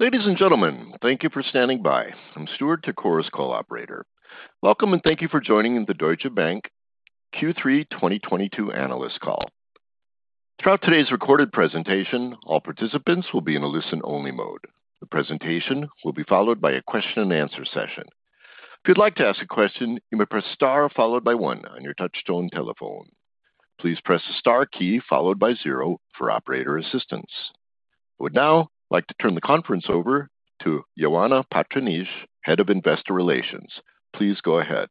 Ladies and gentlemen, thank you for standing by. I'm Stuart, Chorus Call's call operator. Welcome, and thank you for joining the Deutsche Bank Q3 2022 analyst call. Throughout today's recorded presentation, all participants will be in a listen-only mode. The presentation will be followed by a question and answer session. If you'd like to ask a question, you may press star followed by one on your touchtone telephone. Please press the star key followed by zero for operator assistance. I would now like to turn the conference over to Ioana Patriniche, Head of Investor Relations. Please go ahead.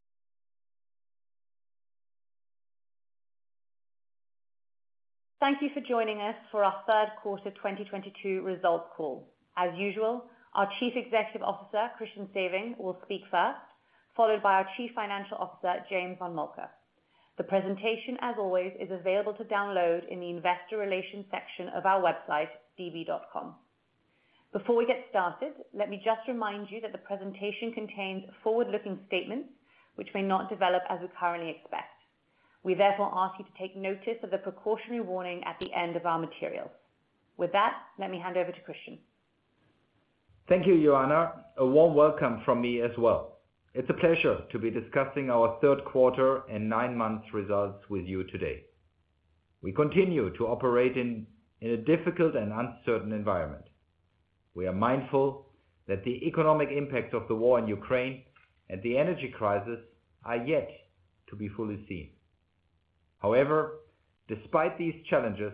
Thank you for joining us for our Q3 2022 results call. As usual, our Chief Executive Officer, Christian Sewing, will speak first, followed by our Chief Financial Officer, James von Moltke. The presentation, as always, is available to download in the investor relations section of our website, db.com. Before we get started, let me just remind you that the presentation contains forward-looking statements which may not develop as we currently expect. We therefore ask you to take notice of the precautionary warning at the end of our materials. With that, let me hand over to Christian. Thank you, Ioana. A warm welcome from me as well. It's a pleasure to be discussing our Q3 and nine-month results with you today. We continue to operate in a difficult and uncertain environment. We are mindful that the economic impact of the war in Ukraine and the energy crisis are yet to be fully seen. However, despite these challenges,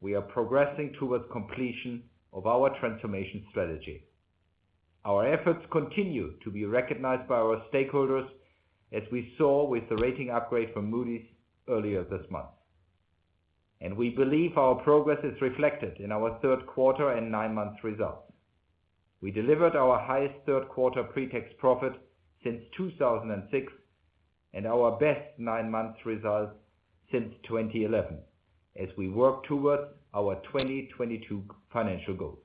we are progressing towards completion of our transformation strategy. Our efforts continue to be recognized by our stakeholders, as we saw with the rating upgrade from Moody's earlier this month. We believe our progress is reflected in our Q3 and nine-month results. We delivered our highest Q3 pre-tax profit since 2006 and our best nine-month results since 2011 as we work towards our 2022 financial goals.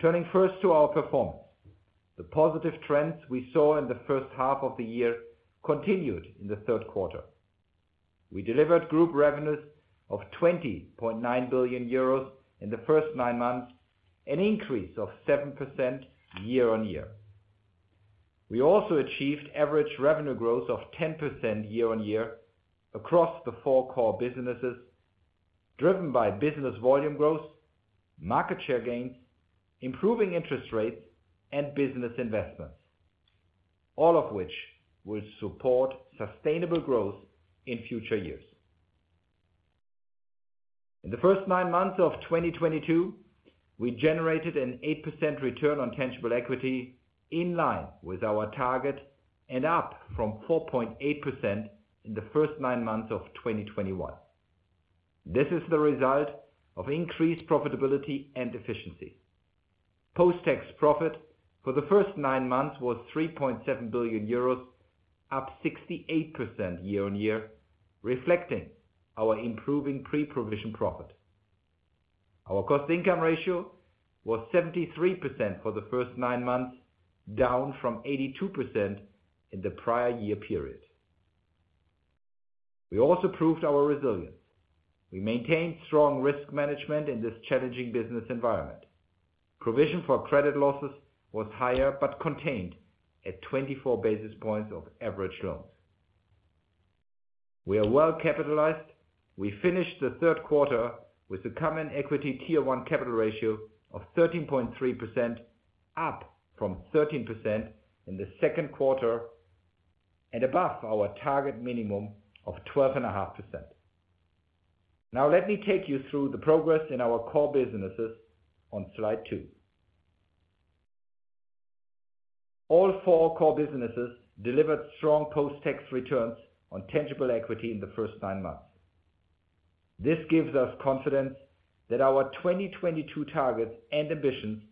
Turning first to our performance. The positive trends we saw in the H1 of the year continued in the Q3. We delivered group revenues of 20.9 billion euros in the first nine months, an increase of 7% year-on-year. We also achieved average revenue growth of 10% year-on-year across the four core businesses, driven by business volume growth, market share gains, improving interest rates and business investments, all of which will support sustainable growth in future years. In the first nine months of 2022, we generated an 8% return on tangible equity in line with our target and up from 4.8% in the first nine months of 2021. This is the result of increased profitability and efficiency. Post-tax profit for the first nine months was 3.7 billion euros, up 68% year-on-year, reflecting our improving pre-provision profit. Our cost income ratio was 73% for the first nine months, down from 82% in the prior year period. We also proved our resilience. We maintained strong risk management in this challenging business environment. Provision for credit losses was higher but contained at 24 basis points of average loans. We are well capitalized. We finished the Q3 with a common equity tier one capital ratio of 13.3%, up from 13% in the Q2, and above our target minimum of 12.5%. Now let me take you through the progress in our core businesses on slide two. All four core businesses delivered strong post-tax returns on tangible equity in the first nine months. This gives us confidence that our 2022 targets and ambitions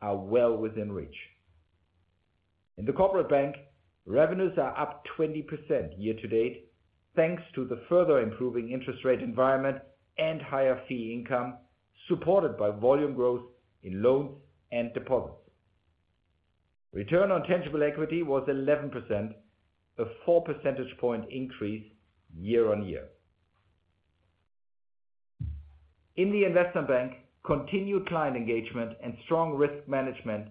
are well within reach. In the corporate bank, revenues are up 20% year to date, thanks to the further improving interest rate environment and higher fee income, supported by volume growth in loans and deposits. Return on tangible equity was 11%, a 4% point increase year-on-year. In the investment bank, continued client engagement and strong risk management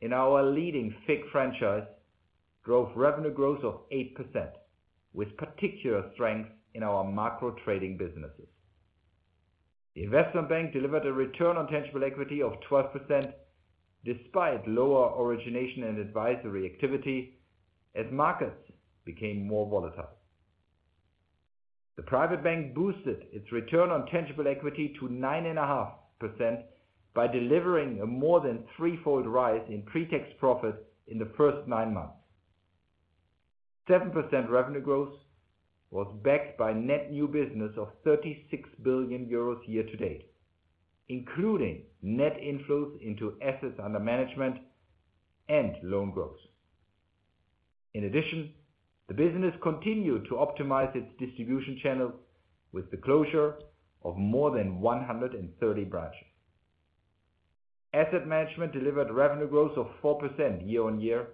in our leading FICC franchise drove revenue growth of 8%, with particular strength in our macro trading businesses. The investment bank delivered a return on tangible equity of 12% despite lower origination and advisory activity as markets became more volatile. The private bank boosted its return on tangible equity to 9.5% by delivering a more than threefold rise in pre-tax profit in the first nine months. 7% revenue growth was backed by net new business of 36 billion euros year-to-date, including net inflows into assets under management and loan growth. In addition, the business continued to optimize its distribution channel with the closure of more than 130 branches. Asset management delivered revenue growth of 4% year-on-year,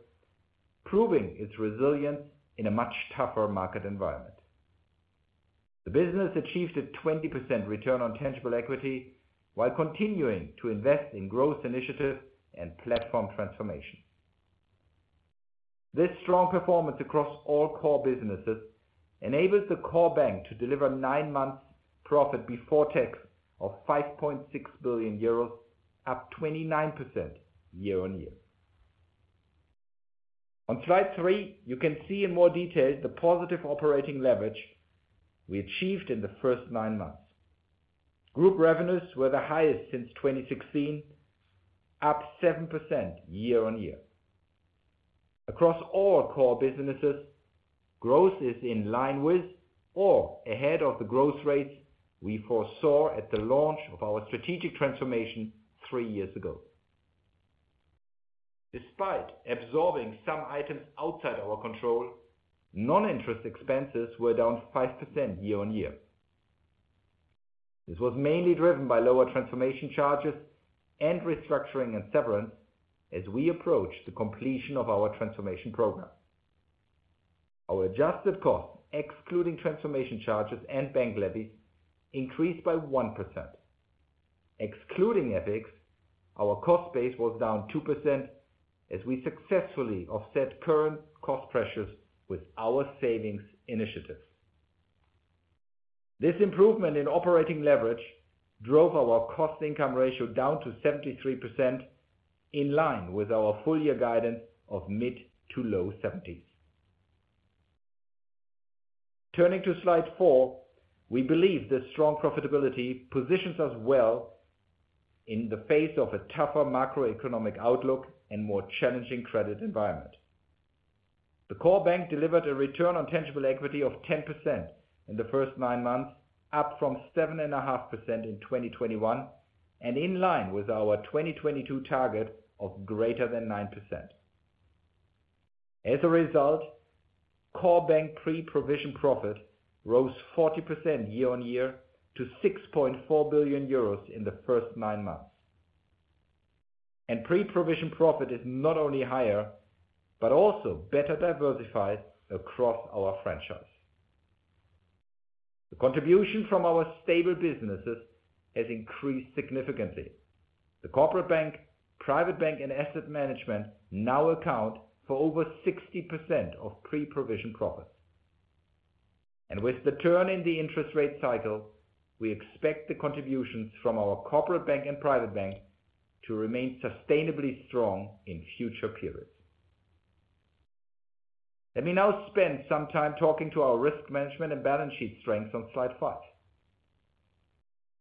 proving its resilience in a much tougher market environment. The business achieved a 20% return on tangible equity while continuing to invest in growth initiatives and platform transformation. This strong performance across all core businesses enabled the core bank to deliver nine months profit before tax of 5.6 billion euros, up 29% year on year. On slide three, you can see in more detail the positive operating leverage we achieved in the first nine months. Group revenues were the highest since 2016, up 7% year on year. Across all core businesses, growth is in line with or ahead of the growth rates we foresaw at the launch of our strategic transformation three years ago. Despite absorbing some items outside our control, non-interest expenses were down 5% year on year. This was mainly driven by lower transformation charges and restructuring and severance as we approach the completion of our transformation program. Our adjusted costs, excluding transformation charges and bank levies, increased by 1%. Excluding FX, our cost base was down 2% as we successfully offset current cost pressures with our savings initiatives. This improvement in operating leverage drove our cost income ratio down to 73% in line with our full year guidance of mid-to-low 70s. Turning to slide four. We believe that strong profitability positions us well in the face of a tougher macroeconomic outlook and more challenging credit environment. The core bank delivered a return on tangible equity of 10% in the first nine months, up from 7.5% in 2021 and in line with our 2022 target of greater than 9%. As a result, core bank pre-provision profit rose 40% year-on-year to 6.4 billion euros in the first nine months. Pre-provision profit is not only higher but also better diversified across our franchise. The contribution from our stable businesses has increased significantly. The corporate bank, private bank and asset management now account for over 60% of pre-provision profits. With the turn in the interest rate cycle, we expect the contributions from our corporate bank and private bank to remain sustainably strong in future periods. Let me now spend some time talking to our risk management and balance sheet strengths on slide five.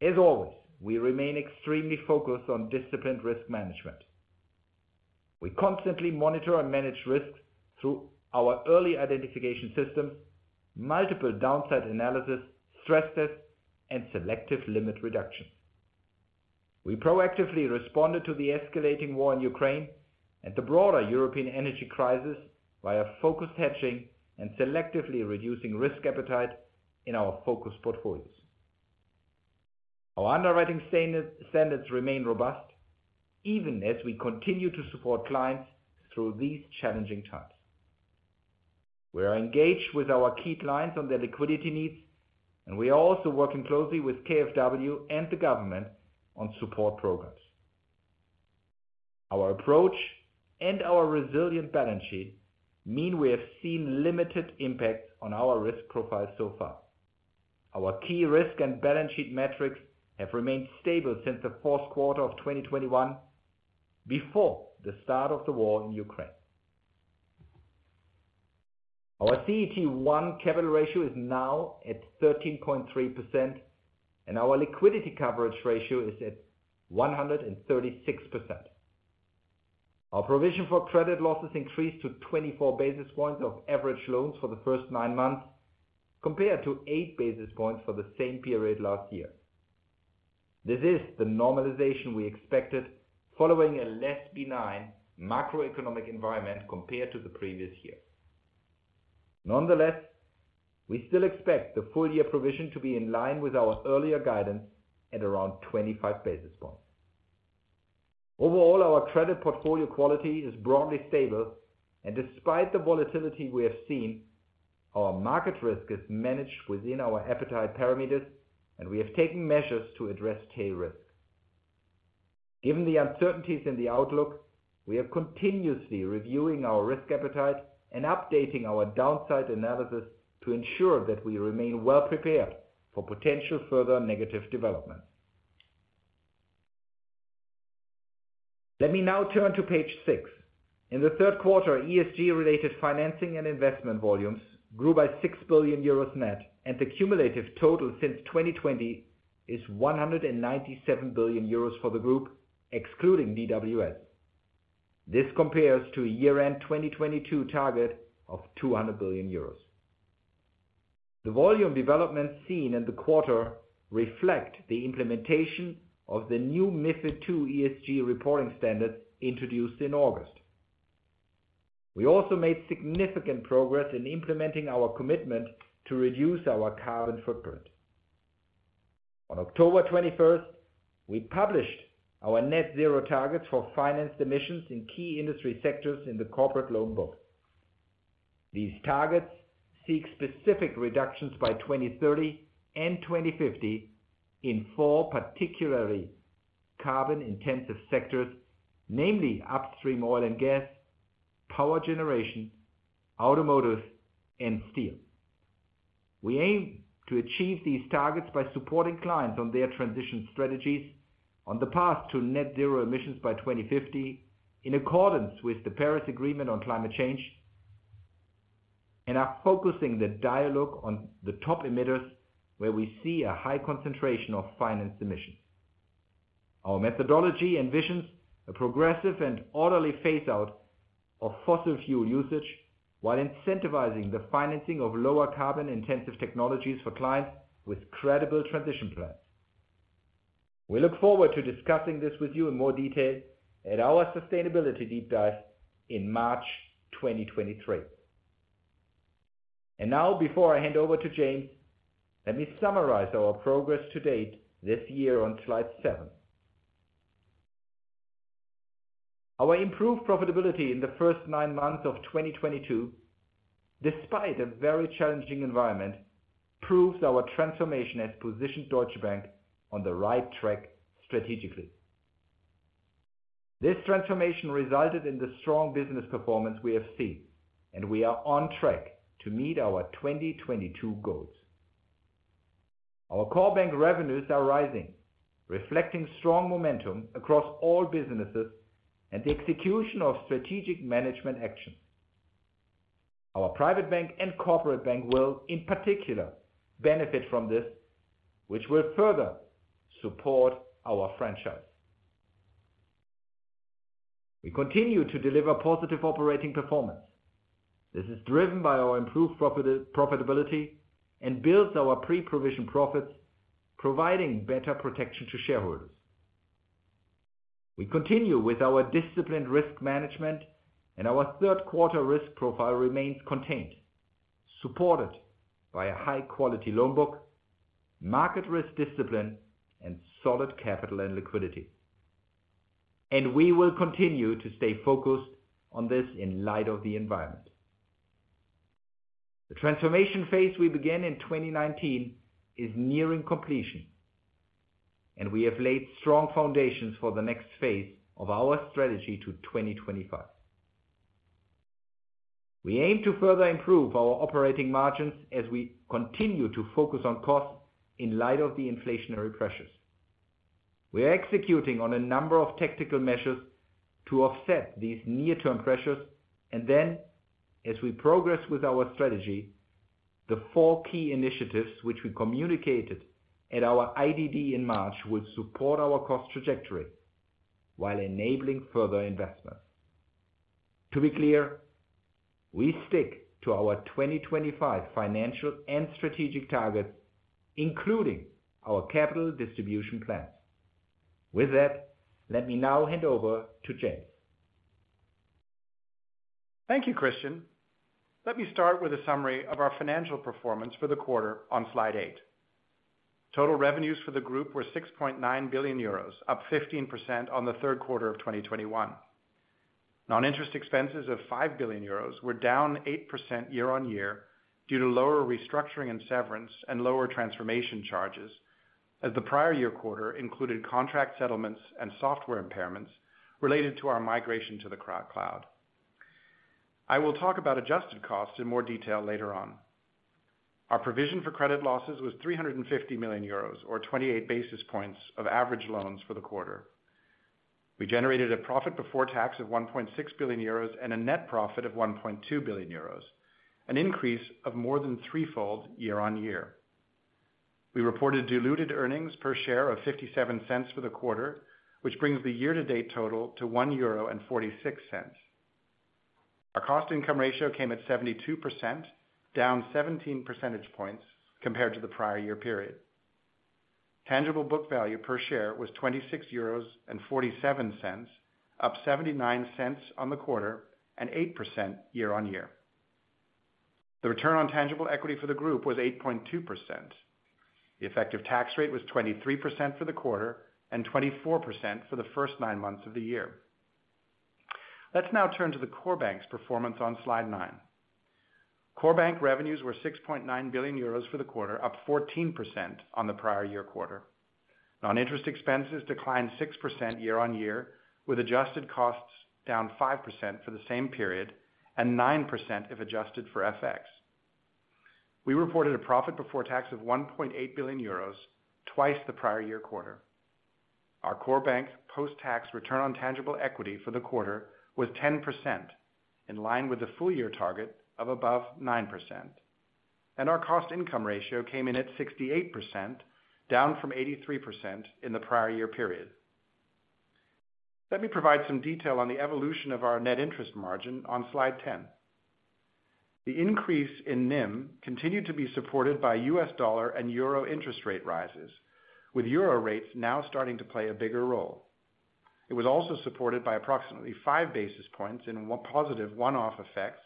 As always, we remain extremely focused on disciplined risk management. We constantly monitor and manage risks through our early identification systems, multiple downside analysis, stress tests and selective limit reductions. We proactively responded to the escalating war in Ukraine and the broader European energy crisis via focused hedging and selectively reducing risk appetite in our focus portfolios. Our underwriting standards remain robust even as we continue to support clients through these challenging times. We are engaged with our key clients on their liquidity needs, and we are also working closely with KfW and the government on support programs. Our approach and our resilient balance sheet mean we have seen limited impacts on our risk profile so far. Our key risk and balance sheet metrics have remained stable since the Q4 of 2021, before the start of the war in Ukraine. Our CET1 capital ratio is now at 13.3% and our liquidity coverage ratio is at 136%. Our provision for credit losses increased to 24 basis points of average loans for the first nine months compared to 8 basis points for the same period last year. This is the normalization we expected following a less benign macroeconomic environment compared to the previous year. Nonetheless, we still expect the full year provision to be in line with our earlier guidance at around 25 basis points. Overall, our credit portfolio quality is broadly stable and despite the volatility we have seen, our market risk is managed within our appetite parameters and we have taken measures to address tail risk. Given the uncertainties in the outlook, we are continuously reviewing our risk appetite and updating our downside analysis to ensure that we remain well prepared for potential further negative developments. Let me now turn to page six. In the Q3, ESG-related financing and investment volumes grew by 6 billion euros net, and the cumulative total since 2020 is 197 billion euros for the group excluding DWS. This compares to a year-end 2022 target of 200 billion euros. The volume development seen in the quarter reflect the implementation of the new MiFID II ESG reporting standards introduced in August. We also made significant progress in implementing our commitment to reduce our carbon footprint. On October 21, we published our net zero targets for finance emissions in key industry sectors in the corporate loan book. These targets seek specific reductions by 2030 and 2050 in four particularly carbon-intensive sectors, namely upstream oil and gas, power generation, automotive, and steel. We aim to achieve these targets by supporting clients on their transition strategies on the path to net zero emissions by 2050 in accordance with the Paris Agreement on Climate Change, and are focusing the dialogue on the top emitters where we see a high concentration of financed emissions. Our methodology envisions a progressive and orderly phase out of fossil fuel usage while incentivizing the financing of lower carbon-intensive technologies for clients with credible transition plans. We look forward to discussing this with you in more detail at our sustainability deep dive in March 2023. Before I hand over to James, let me summarize our progress to date this year on slide seven. Our improved profitability in the first nine months of 2022, despite a very challenging environment, proves our transformation has positioned Deutsche Bank on the right track strategically. This transformation resulted in the strong business performance we have seen, and we are on track to meet our 2022 goals. Our core bank revenues are rising, reflecting strong momentum across all businesses and the execution of strategic management action. Our private bank and corporate bank will, in particular, benefit from this, which will further support our franchise. We continue to deliver positive operating performance. This is driven by our improved profitability and builds our pre-provision profits, providing better protection to shareholders. We continue with our disciplined risk management and our Q3 risk profile remains contained, supported by a high quality loan book, market risk discipline, and solid capital and liquidity. We will continue to stay focused on this in light of the environment. The transformation phase we began in 2019 is nearing completion, and we have laid strong foundations for the next phase of our strategy to 2025. We aim to further improve our operating margins as we continue to focus on costs in light of the inflationary pressures. We are executing on a number of tactical measures to offset these near-term pressures and then, as we progress with our strategy, the four key initiatives which we communicated at our IDD in March will support our cost trajectory while enabling further investments. To be clear, we stick to our 2025 financial and strategic targets, including our capital distribution plans. With that, let me now hand over to James von Moltke. Thank you, Christian. Let me start with a summary of our financial performance for the quarter on slide 8. Total revenues for the group were 6.9 billion euros, up 15% on the Q3 of 2021. Non-interest expenses of 5 billion euros were down 8% year-on-year due to lower restructuring and severance and lower transformation charges, as the prior year quarter included contract settlements and software impairments related to our migration to the cloud. I will talk about adjusted costs in more detail later on. Our provision for credit losses was 350 million euros or 28 basis points of average loans for the quarter. We generated a profit before tax of 1.6 billion euros and a net profit of 1.2 billion euros, an increase of more than three-fold year-on-year. We reported diluted earnings per share of €0.57 for the quarter, which brings the year-to-date total to €1.46. Our cost-income ratio came at 72%, down 17 percentage points compared to the prior-year period. Tangible book value per share was €26.47, up €0.79 on the quarter and 8% year-on-year. The return on tangible equity for the group was 8.2%. The effective tax rate was 23% for the quarter and 24% for the first nine months of the year. Let's now turn to the core bank's performance on slide nine. Core bank revenues were 6.9 billion euros for the quarter, up 14% on the prior-year quarter. Non-interest expenses declined 6% year-on-year, with adjusted costs down 5% for the same period and 9% if adjusted for FX. We reported a profit before tax of 1.8 billion euros, twice the prior-year quarter. Our core bank post-tax return on tangible equity for the quarter was 10%, in line with the full-year target of above 9%. Our cost income ratio came in at 68%, down from 83% in the prior-year period. Let me provide some detail on the evolution of our net interest margin on slide 10. The increase in NIM continued to be supported by US dollar and euro interest rate rises, with euro rates now starting to play a bigger role. It was also supported by approximately five basis points in one positive one-off effects,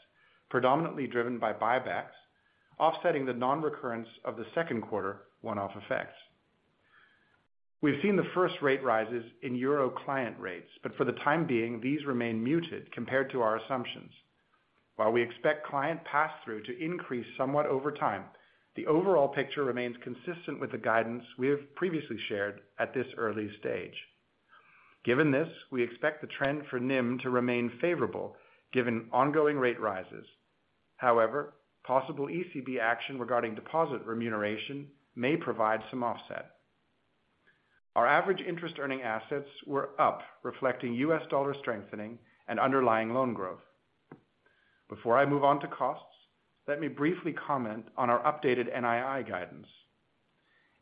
predominantly driven by buybacks, offsetting the non-recurrence of the Q2 one-off effects. We've seen the first rate rises in euro client rates, but for the time being, these remain muted compared to our assumptions. While we expect client passthrough to increase somewhat over time, the overall picture remains consistent with the guidance we have previously shared at this early stage. Given this, we expect the trend for NIM to remain favorable given ongoing rate rises. However, possible ECB action regarding deposit remuneration may provide some offset. Our average interest earning assets were up, reflecting US dollar strengthening and underlying loan growth. Before I move on to costs, let me briefly comment on our updated NII guidance.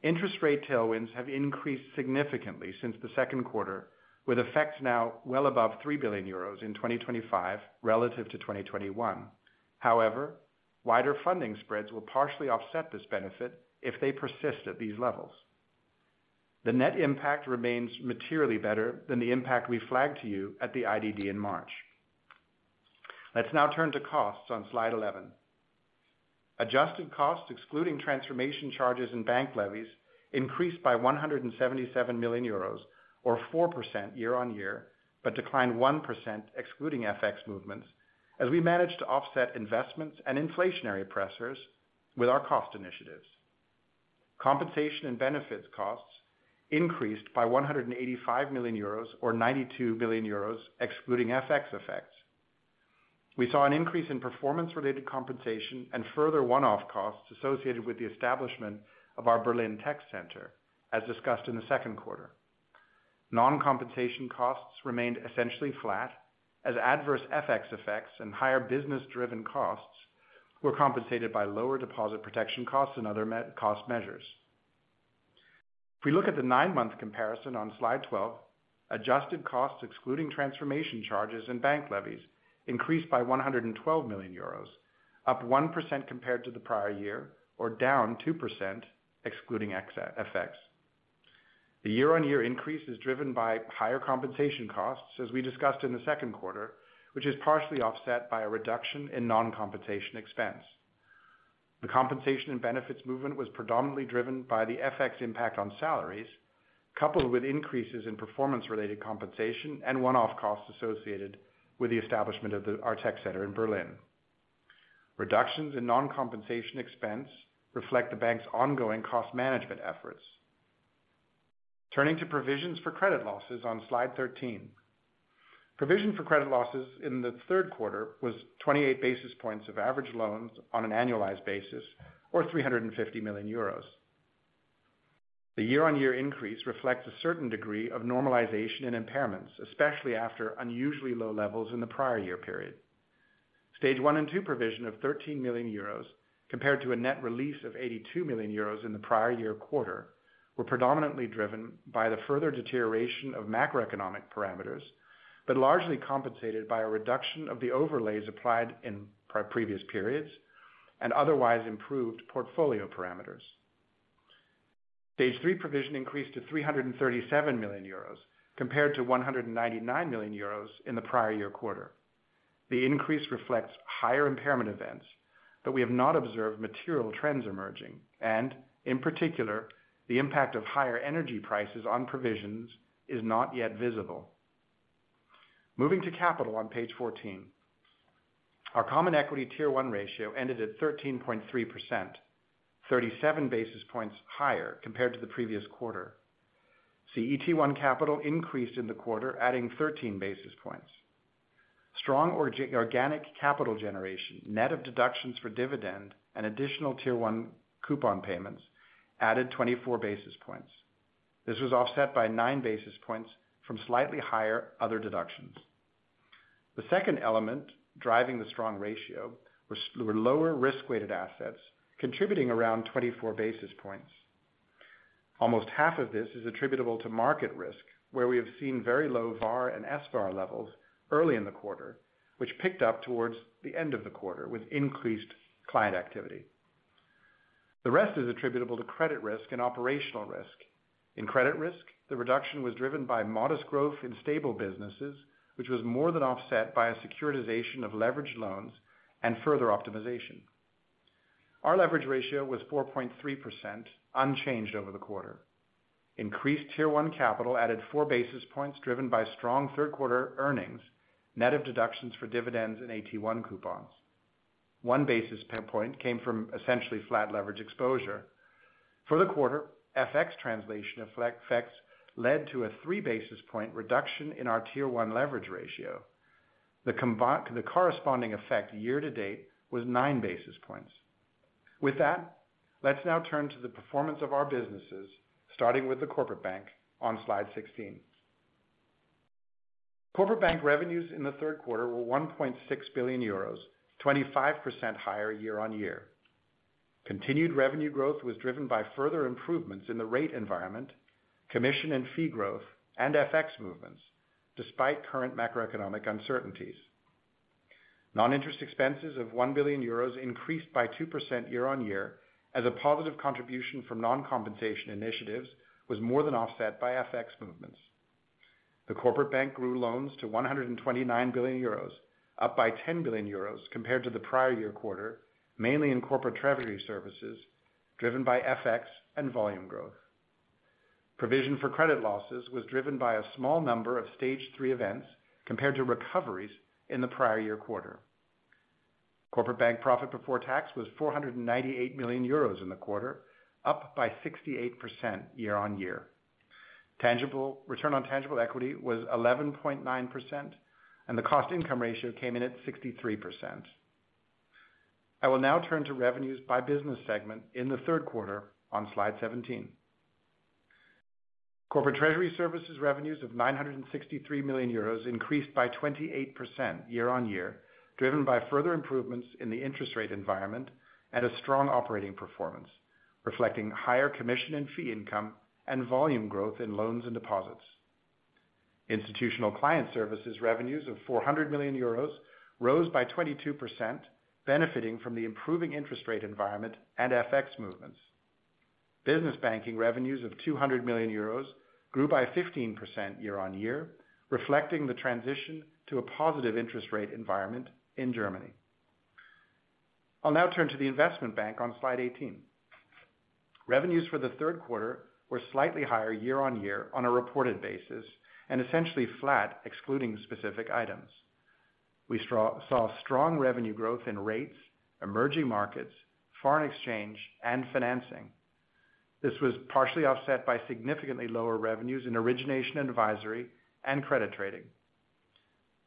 Interest rate tailwinds have increased significantly since the Q2, with effects now well above 3 billion euros in 2025 relative to 2021. However, wider funding spreads will partially offset this benefit if they persist at these levels. The net impact remains materially better than the impact we flagged to you at the IDD in March. Let's now turn to costs on slide 11. Adjusted costs, excluding transformation charges and bank levies, increased by 177 million euros or 4% year-on-year, but declined 1% excluding FX movements as we managed to offset investments and inflationary pressures with our cost initiatives. Compensation and benefits costs increased by 185 million euros or 2% excluding FX effects. We saw an increase in performance-related compensation and further one-off costs associated with the establishment of our Berlin Tech Center, as discussed in the Q2. Non-compensation costs remained essentially flat as adverse FX effects and higher business-driven costs were compensated by lower deposit protection costs and other cost measures. If we look at the nine-month comparison on slide 12, adjusted costs excluding transformation charges and bank levies increased by 112 million euros, up 1% compared to the prior year, or down 2% excluding FX. The year-on-year increase is driven by higher compensation costs, as we discussed in the Q2, which is partially offset by a reduction in non-compensation expense. The compensation and benefits movement was predominantly driven by the FX impact on salaries, coupled with increases in performance-related compensation and one-off costs associated with the establishment of our tech center in Berlin. Reductions in non-compensation expense reflect the bank's ongoing cost management efforts. Turning to provisions for credit losses on slide 13. Provision for credit losses in the Q3 was 28 basis points of average loans on an annualized basis, or 350 million euros. The year-on-year increase reflects a certain degree of normalization in impairments, especially after unusually low levels in the prior year period. Stage one and two provision of 13 million euros, compared to a net release of 82 million euros in the prior year quarter, were predominantly driven by the further deterioration of macroeconomic parameters, but largely compensated by a reduction of the overlays applied in previous periods and otherwise improved portfolio parameters. Stage three provision increased to 337 million euros, compared to 199 million euros in the prior year quarter. The increase reflects higher impairment events, but we have not observed material trends emerging, and in particular, the impact of higher energy prices on provisions is not yet visible. Moving to capital on page 14. Our Common Equity Tier 1 ratio ended at 13.3%, 37 basis points higher compared to the previous quarter. CET1 capital increased in the quarter, adding 13 basis points. Strong organic capital generation, net of deductions for dividend and additional tier one coupon payments, added 24 basis points. This was offset by 9 basis points from slightly higher other deductions. The second element driving the strong ratio was lower risk-weighted assets, contributing around 24 basis points. Almost half of this is attributable to market risk, where we have seen very low VaR and EsVaR levels early in the quarter, which picked up towards the end of the quarter with increased client activity. The rest is attributable to credit risk and operational risk. In credit risk, the reduction was driven by modest growth in stable businesses, which was more than offset by a securitization of leveraged loans and further optimization. Our leverage ratio was 4.3%, unchanged over the quarter. Increased Tier-1 capital added four basis points driven by strong Q3 earnings, net of deductions for dividends and AT1 coupons. one basis point came from essentially flat leverage exposure. For the quarter, FX translation effects led to a three basis point reduction in our Tier-1 leverage ratio. The corresponding effect year to date was nine basis points. With that, let's now turn to the performance of our businesses, starting with the Corporate Bank on slide 16. Corporate Bank revenues in the Q3 were 1.6 billion euros, 25% higher year-on-year. Continued revenue growth was driven by further improvements in the rate environment, commission and fee growth, and FX movements, despite current macroeconomic uncertainties. Non-interest expenses of 1 billion euros increased by 2% year-on-year as a positive contribution from non-compensation initiatives was more than offset by FX movements. The Corporate Bank grew loans to 129 billion euros, up by 10 billion euros compared to the prior-year quarter, mainly in Corporate Treasury Services, driven by FX and volume growth. Provision for credit losses was driven by a small number of Stage Three events compared to recoveries in the prior-year quarter. Corporate Bank profit before tax was 498 million euros in the quarter, up 68% year-on-year. Tangible return on tangible equity was 11.9%, and the cost income ratio came in at 63%. I will now turn to revenues by business segment in the Q3 on slide 17. Corporate Treasury Services revenues of 963 million euros increased by 28% year-on-year, driven by further improvements in the interest rate environment and a strong operating performance, reflecting higher commission and fee income and volume growth in loans and deposits. Institutional Client Services revenues of 400 million euros rose by 22%, benefiting from the improving interest rate environment and FX movements. Business Banking revenues of 200 million euros grew by 15% year-on-year, reflecting the transition to a positive interest rate environment in Germany. I'll now turn to the Investment Bank on slide 18. Revenues for the Q3 were slightly higher year-on-year on a reported basis, and essentially flat excluding specific items. We saw strong revenue growth in rates, emerging markets, foreign exchange, and financing. This was partially offset by significantly lower revenues in Origination & Advisory and credit trading.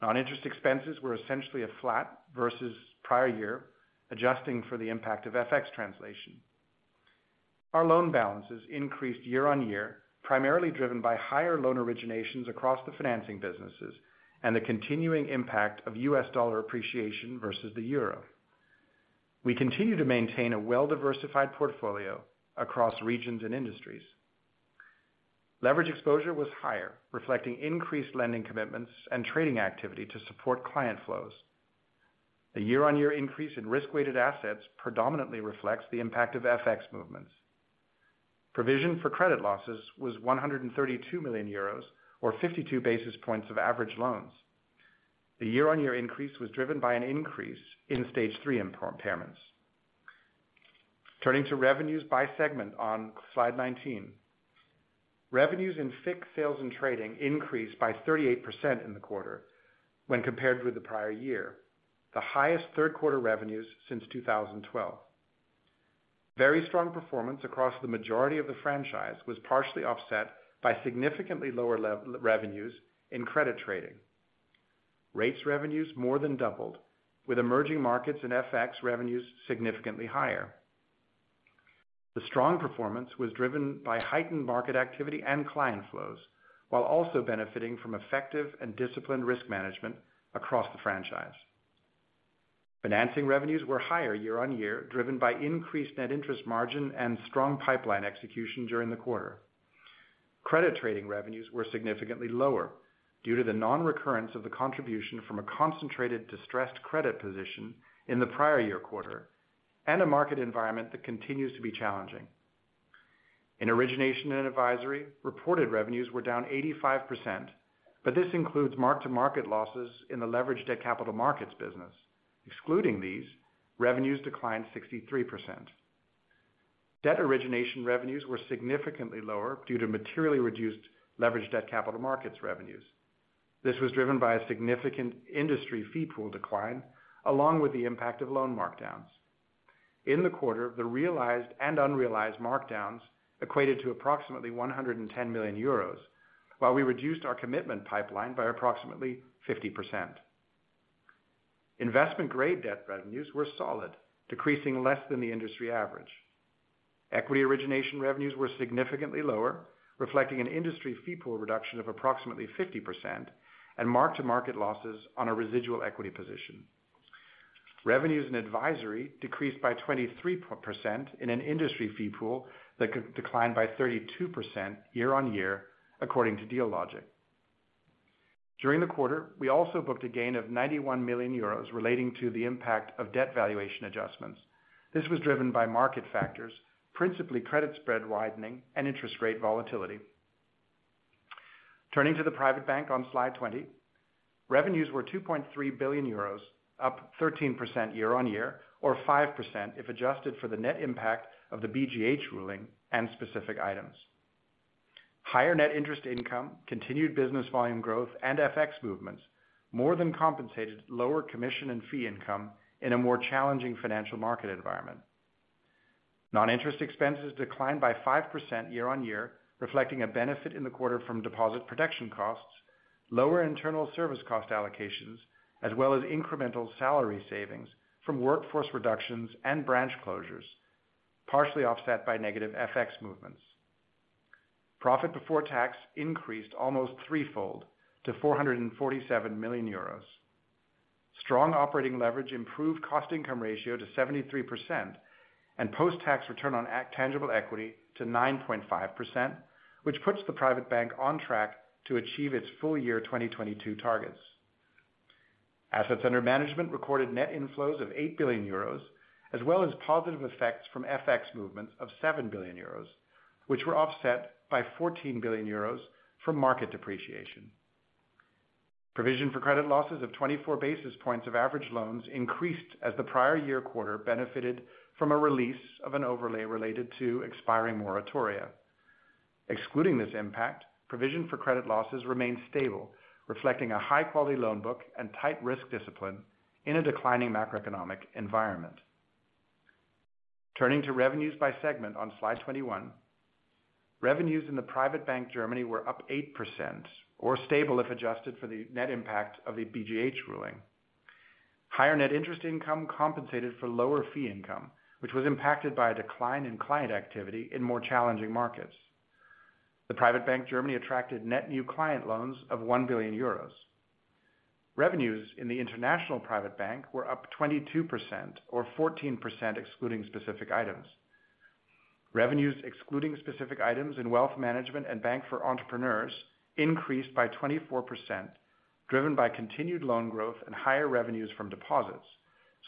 Non-interest expenses were essentially flat versus prior year, adjusting for the impact of FX translation. Our loan balances increased year-on-year, primarily driven by higher loan originations across the financing businesses and the continuing impact of US dollar appreciation versus the euro. We continue to maintain a well-diversified portfolio across regions and industries. Leverage exposure was higher, reflecting increased lending commitments and trading activity to support client flows. The year-on-year increase in risk-weighted assets predominantly reflects the impact of FX movements. Provision for credit losses was 132 million euros, or 52 basis points of average loans. The year-on-year increase was driven by an increase in Stage Three impairments. Turning to revenues by segment on slide 19. Revenues in FICC sales and trading increased by 38% in the quarter when compared with the prior year, the highest Q3 revenues since 2012. Very strong performance across the majority of the franchise was partially offset by significantly lower Lev revenues in credit trading. Rates revenues more than doubled, with emerging markets and FX revenues significantly higher. The strong performance was driven by heightened market activity and client flows while also benefiting from effective and disciplined risk management across the franchise. Financing revenues were higher year-on-year, driven by increased net interest margin and strong pipeline execution during the quarter. Credit trading revenues were significantly lower due to the non-recurrence of the contribution from a concentrated distressed credit position in the prior year quarter, and a market environment that continues to be challenging. In Origination and Advisory, reported revenues were down 85%, but this includes mark-to-market losses in the leveraged debt capital markets business. Excluding these, revenues declined 63%. Debt origination revenues were significantly lower due to materially reduced leveraged debt capital markets revenues. This was driven by a significant industry fee pool decline, along with the impact of loan markdowns. In the quarter, the realized and unrealized markdowns equated to approximately 110 million euros, while we reduced our commitment pipeline by approximately 50%. Investment-grade debt revenues were solid, decreasing less than the industry average. Equity origination revenues were significantly lower, reflecting an industry fee pool reduction of approximately 50% and mark-to-market losses on a residual equity position. Revenues and advisory decreased by 23% in an industry fee pool that declined by 32% quarter-over-quarter, according to Dealogic. During the quarter, we also booked a gain of 91 million euros relating to the impact of debt valuation adjustments. This was driven by market factors, principally credit spread widening and interest rate volatility. Turning to the private bank on slide 20. Revenues were 2.3 billion euros, up 13% year-on-year, or 5% if adjusted for the net impact of the BGH ruling and specific items. Higher net interest income, continued business volume growth, and FX movements more than compensated lower commission and fee income in a more challenging financial market environment. Non-interest expenses declined by 5% year-on-year, reflecting a benefit in the quarter from deposit protection costs, lower internal service cost allocations, as well as incremental salary savings from workforce reductions and branch closures, partially offset by negative FX movements. Profit before tax increased almost threefold to 447 million euros. Strong operating leverage improved cost income ratio to 73% and post-tax return on tangible equity to 9.5%, which puts the private bank on track to achieve its full year 2022 targets. Assets under management recorded net inflows of 8 billion euros, as well as positive effects from FX movements of 7 billion euros, which were offset by 14 billion euros from market depreciation. Provision for credit losses of 24 basis points of average loans increased as the prior year quarter benefited from a release of an overlay related to expiring moratoria. Excluding this impact, provision for credit losses remained stable, reflecting a high-quality loan book and tight risk discipline in a declining macroeconomic environment. Turning to revenues by segment on slide 21. Revenues in the Private Bank Germany were up 8% or stable if adjusted for the net impact of the BGH ruling. Higher net interest income compensated for lower fee income, which was impacted by a decline in client activity in more challenging markets. The Private Bank Germany attracted net new client loans of 1 billion euros. Revenues in the international private bank were up 22% or 14% excluding specific items. Revenues excluding specific items in wealth management and Bank for Entrepreneurs increased by 24%, driven by continued loan growth and higher revenues from deposits,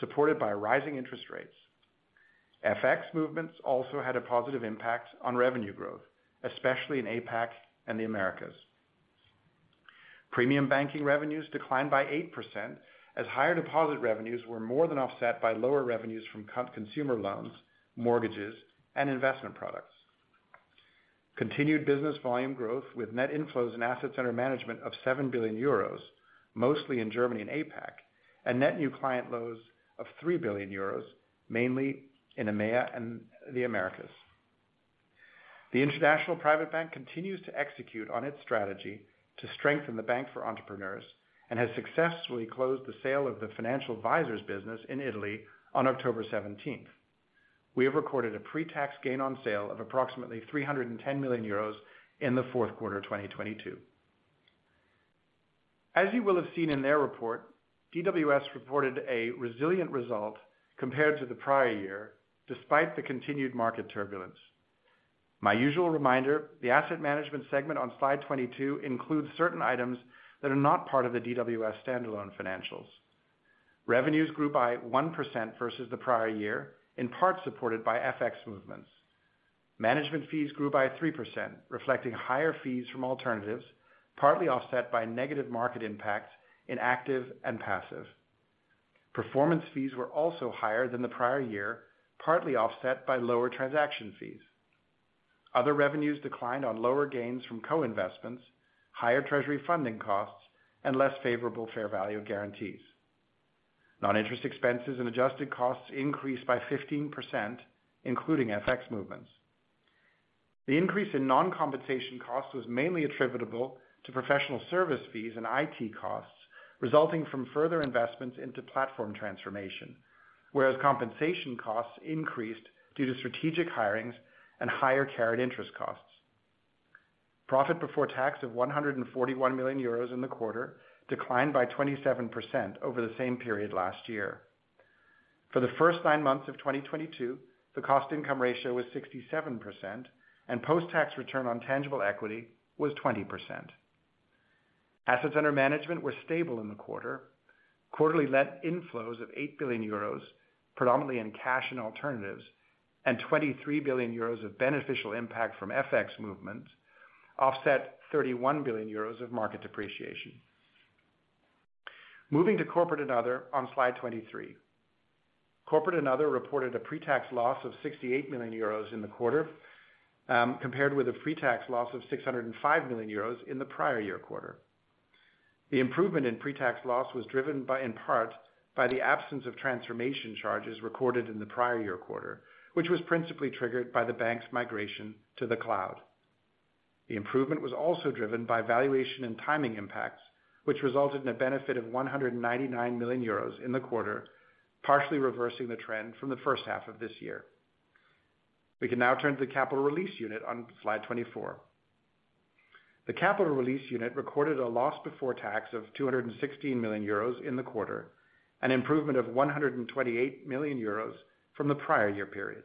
supported by rising interest rates. FX movements also had a positive impact on revenue growth, especially in APAC and the Americas. Premium banking revenues declined by 8% as higher deposit revenues were more than offset by lower revenues from non-consumer loans, mortgages, and investment products. Continued business volume growth with net inflows and assets under management of 7 billion euros, mostly in Germany and APAC, and net new client loans of 3 billion euros, mainly in EMEA and the Americas. The International Private Bank continues to execute on its strategy to strengthen the Bank for Entrepreneurs and has successfully closed the sale of the financial advisors business in Italy on October 17th. We have recorded a pre-tax gain on sale of approximately 310 million euros in the Q4 of 2022. As you will have seen in their report, DWS reported a resilient result compared to the prior year, despite the continued market turbulence. My usual reminder, the asset management segment on slide 22 includes certain items that are not part of the DWS standalone financials. Revenues grew by 1% versus the prior year, in part supported by FX movements. Management fees grew by 3%, reflecting higher fees from alternatives, partly offset by negative market impact in active and passive. Performance fees were also higher than the prior year, partly offset by lower transaction fees. Other revenues declined on lower gains from co-investments, higher treasury funding costs, and less favorable fair value guarantees. Non-interest expenses and adjusted costs increased by 15%, including FX movements. The increase in non-compensation costs was mainly attributable to professional service fees and IT costs resulting from further investments into platform transformation, whereas compensation costs increased due to strategic hirings and higher carried interest costs. Profit before tax of 141 million euros in the quarter declined by 27% over the same period last year. For the first nine months of 2022, the cost income ratio was 67%, and post-tax return on tangible equity was 20%. Assets under management were stable in the quarter. Quarterly net inflows of 8 billion euros, predominantly in cash and alternatives, and 23 billion euros of beneficial impact from FX movements offset 31 billion euros of market depreciation. Moving to Corporate and Other on slide 23. Corporate and Other reported a pre-tax loss of 68 million euros in the quarter, compared with a pre-tax loss of 605 million euros in the prior year quarter. The improvement in pre-tax loss was driven by, in part, by the absence of transformation charges recorded in the prior year quarter, which was principally triggered by the bank's migration to the cloud. The improvement was also driven by valuation and timing impacts, which resulted in a benefit of 199 million euros in the quarter, partially reversing the trend from the H1 of this year. We can now turn to the Capital Release Unit on slide 24. The Capital Release Unit recorded a loss before tax of 216 million euros in the quarter, an improvement of 128 million euros from the prior year period.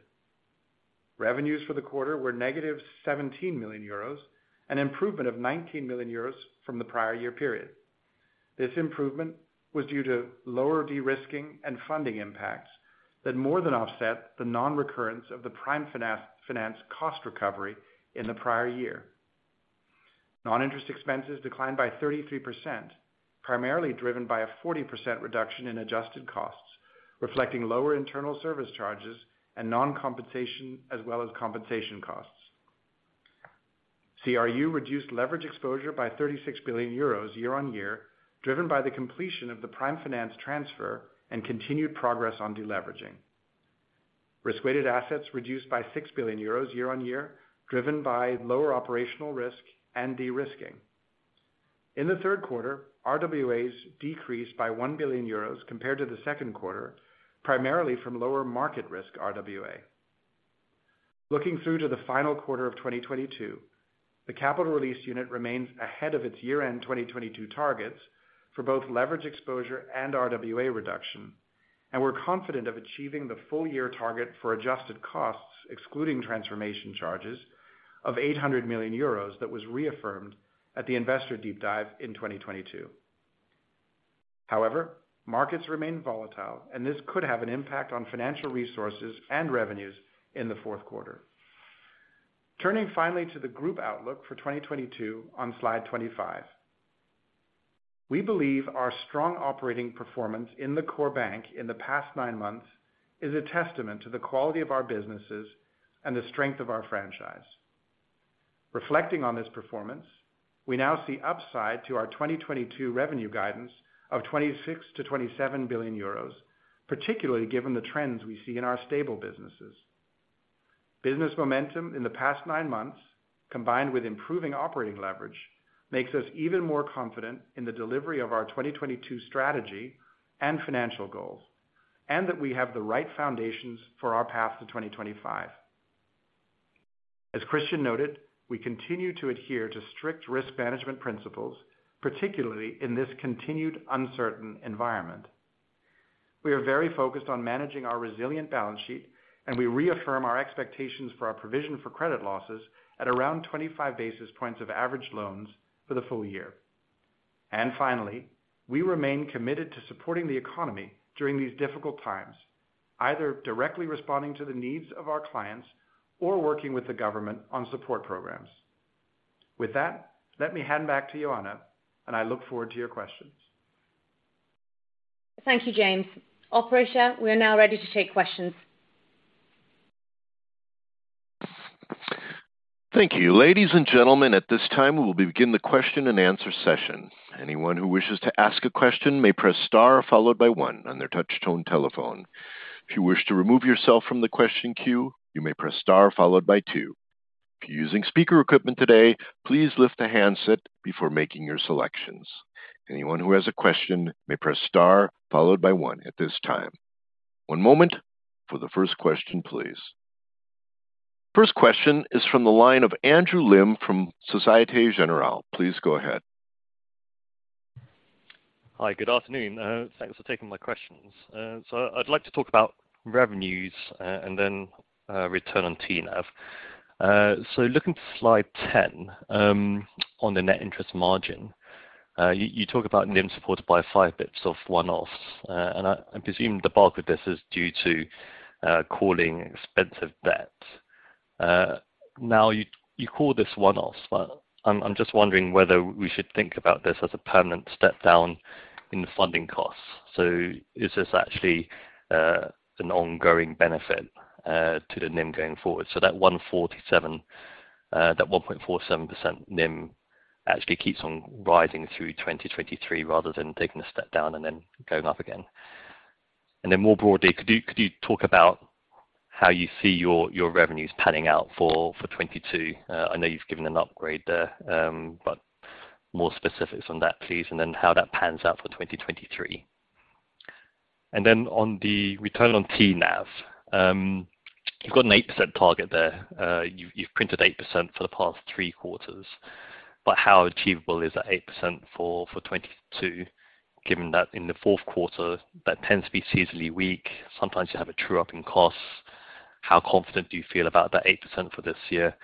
Revenues for the quarter were negative 17 million euros, an improvement of 19 million euros from the prior year period. This improvement was due to lower de-risking and funding impacts that more than offset the non-recurrence of the prime finance cost recovery in the prior year. Non-interest expenses declined by 33%, primarily driven by a 40% reduction in adjusted costs, reflecting lower internal service charges and non-compensation as well as compensation costs. CRU reduced leverage exposure by 36 billion euros year-on-year, driven by the completion of the prime finance transfer and continued progress on deleveraging. Risk-weighted assets reduced by 6 billion euros year-on-year, driven by lower operational risk and de-risking. In the Q3, RWAs decreased by 1 billion euros compared to the Q2, primarily from lower market risk RWA. Looking through to the final quarter of 2022, the Capital Release Unit remains ahead of its year-end 2022 targets for both leverage exposure and RWA reduction. We're confident of achieving the full year target for adjusted costs, excluding transformation charges of 800 million euros that was reaffirmed at the Investor Deep Dive in 2022. However, markets remain volatile, and this could have an impact on financial resources and revenues in the Q4. Turning finally to the group outlook for 2022 on slide 25. We believe our strong operating performance in the core bank in the past nine months is a testament to the quality of our businesses and the strength of our franchise. Reflecting on this performance, we now see upside to our 2022 revenue guidance of 26 billion-27 billion euros, particularly given the trends we see in our stable businesses. Business momentum in the past nine months, combined with improving operating leverage, makes us even more confident in the delivery of our 2022 strategy and financial goals, and that we have the right foundations for our path to 2025. As Christian noted, we continue to adhere to strict risk management principles, particularly in this continued uncertain environment. We are very focused on managing our resilient balance sheet, and we reaffirm our expectations for our provision for credit losses at around 25 basis points of average loans for the full year. Finally, we remain committed to supporting the economy during these difficult times, either directly responding to the needs of our clients or working with the government on support programs. With that, let me hand back to you, Ioana, and I look forward to your questions. Thank you, James. Operator, we are now ready to take questions. Thank you. Ladies and gentlemen, at this time we will begin the question and answer session. Anyone who wishes to ask a question may press star followed by one on their touch tone telephone. If you wish to remove yourself from the question queue, you may press star followed by two. If you're using speaker equipment today, please lift the handset before making your selections. Anyone who has a question may press star followed by one at this time. One moment for the first question, please. First question is from the line of Andrew Lim from Société Générale. Please go ahead. Hi. Good afternoon. Thanks for taking my questions. I'd like to talk about revenues, and then, return on TNAV. Looking to slide 10, on the net interest margin, you talk about NIM supported by five bps of one-offs, and I presume the bulk of this is due to calling expensive debt. Now you call this one-off, but I'm just wondering whether we should think about this as a permanent step down in the funding costs. Is this actually an ongoing benefit to the NIM going forward? That 1.47, that 1.47% NIM actually keeps on rising through 2023 rather than taking a step down and then going up again. More broadly, could you talk about how you see your revenues panning out for 2022? I know you've given an upgrade there, but more specifics on that, please, and then how that pans out for 2023. On the return on TNAV, you've got an 8% target there. You've printed 8% for the past three quarters, but how achievable is that 8% for 2022, given that in the Q4 that tends to be seasonally weak, sometimes you have a true-up in costs. How confident do you feel about that 8% for this year?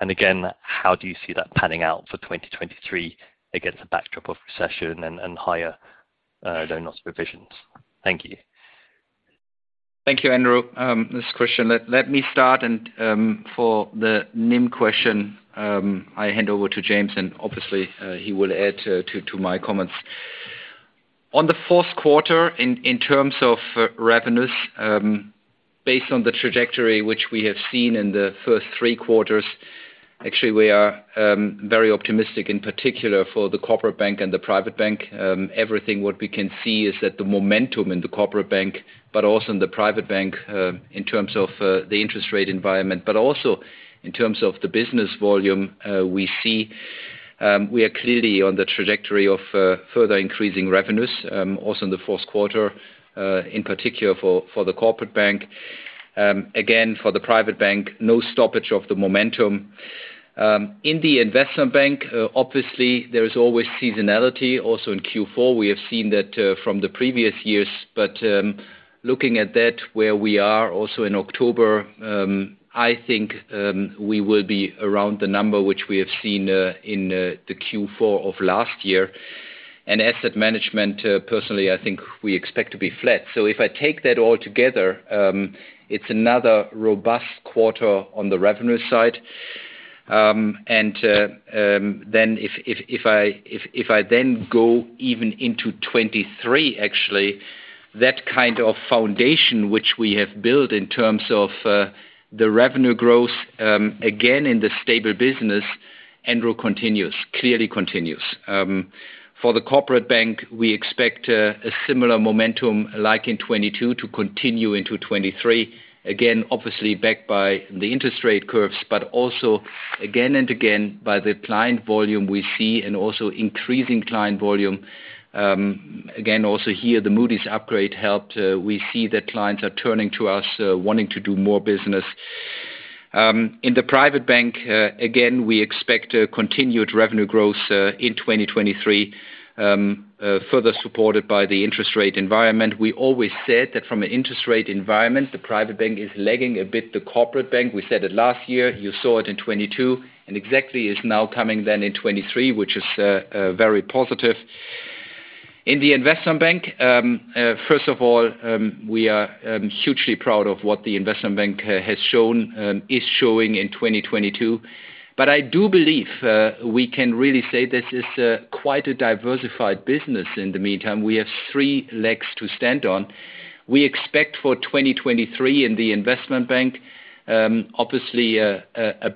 Again, how do you see that panning out for 2023 against a backdrop of recession and higher loan loss provisions? Thank you. Thank you, Andrew. This is Christian. Let me start, and for the NIM question, I hand over to James and obviously he will add to my comments. On the Q4 in terms of revenues, based on the trajectory which we have seen in the first three quarters, actually, we are very optimistic in particular for the Corporate Bank and the Private Bank. Everything what we can see is that the momentum in the Corporate Bank, but also in the Private Bank, in terms of the interest rate environment, but also in terms of the business volume, we are clearly on the trajectory of further increasing revenues, also in the Q4, in particular for the Corporate Bank. Again, for the Private Bank, no stoppage of the momentum. In the investment bank, obviously there is always seasonality also in Q4. We have seen that from the previous years, but looking at that where we are also in October, I think we will be around the number which we have seen in the Q4 of last year. Asset management, personally, I think we expect to be flat. If I take that all together, it's another robust quarter on the revenue side. If I then go even into 2023, actually, that kind of foundation which we have built in terms of the revenue growth, again, in the stable business, Andrew, continues. Clearly continues. For the corporate bank, we expect a similar momentum like in 2022 to continue into 2023. Again, obviously backed by the interest rate curves, but also again and again by the client volume we see and also increasing client volume. Again, also here the Moody's upgrade helped. We see that clients are turning to us, wanting to do more business. In the private bank, again, we expect a continued revenue growth in 2023, further supported by the interest rate environment. We always said that from an interest rate environment, the private bank is lagging a bit, the corporate bank, we said it last year, you saw it in 2022, and exactly is now coming then in 2023, which is very positive. In the investment bank, first of all, we are hugely proud of what the investment bank has shown, is showing in 2022. I do believe we can really say this is quite a diversified business in the meantime. We have three legs to stand on. We expect for 2023 in the Investment Bank, obviously a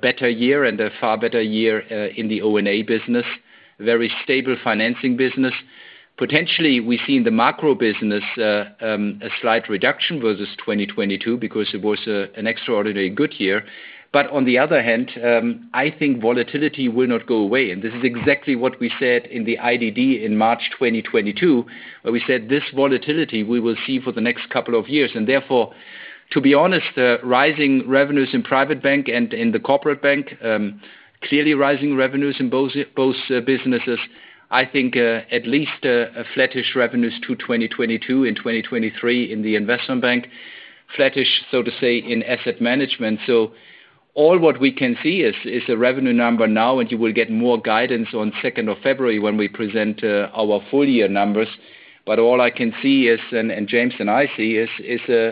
better year and a far better year in the O&A business, very stable financing business. Potentially, we see in the macro business a slight reduction versus 2022 because it was an extraordinary good year. On the other hand, I think volatility will not go away. This is exactly what we said in the IDD in March 2022, where we said this volatility we will see for the next couple of years. Therefore, to be honest, rising revenues in Private Bank and in the Corporate Bank, clearly rising revenues in both businesses, I think, at least flattish revenues to 2022 and 2023 in the Investment Bank. Flattish, so to say, in asset management. All what we can see is a revenue number now, and you will get more guidance on February 2nd when we present our full year numbers. All I can see is, and James and I see is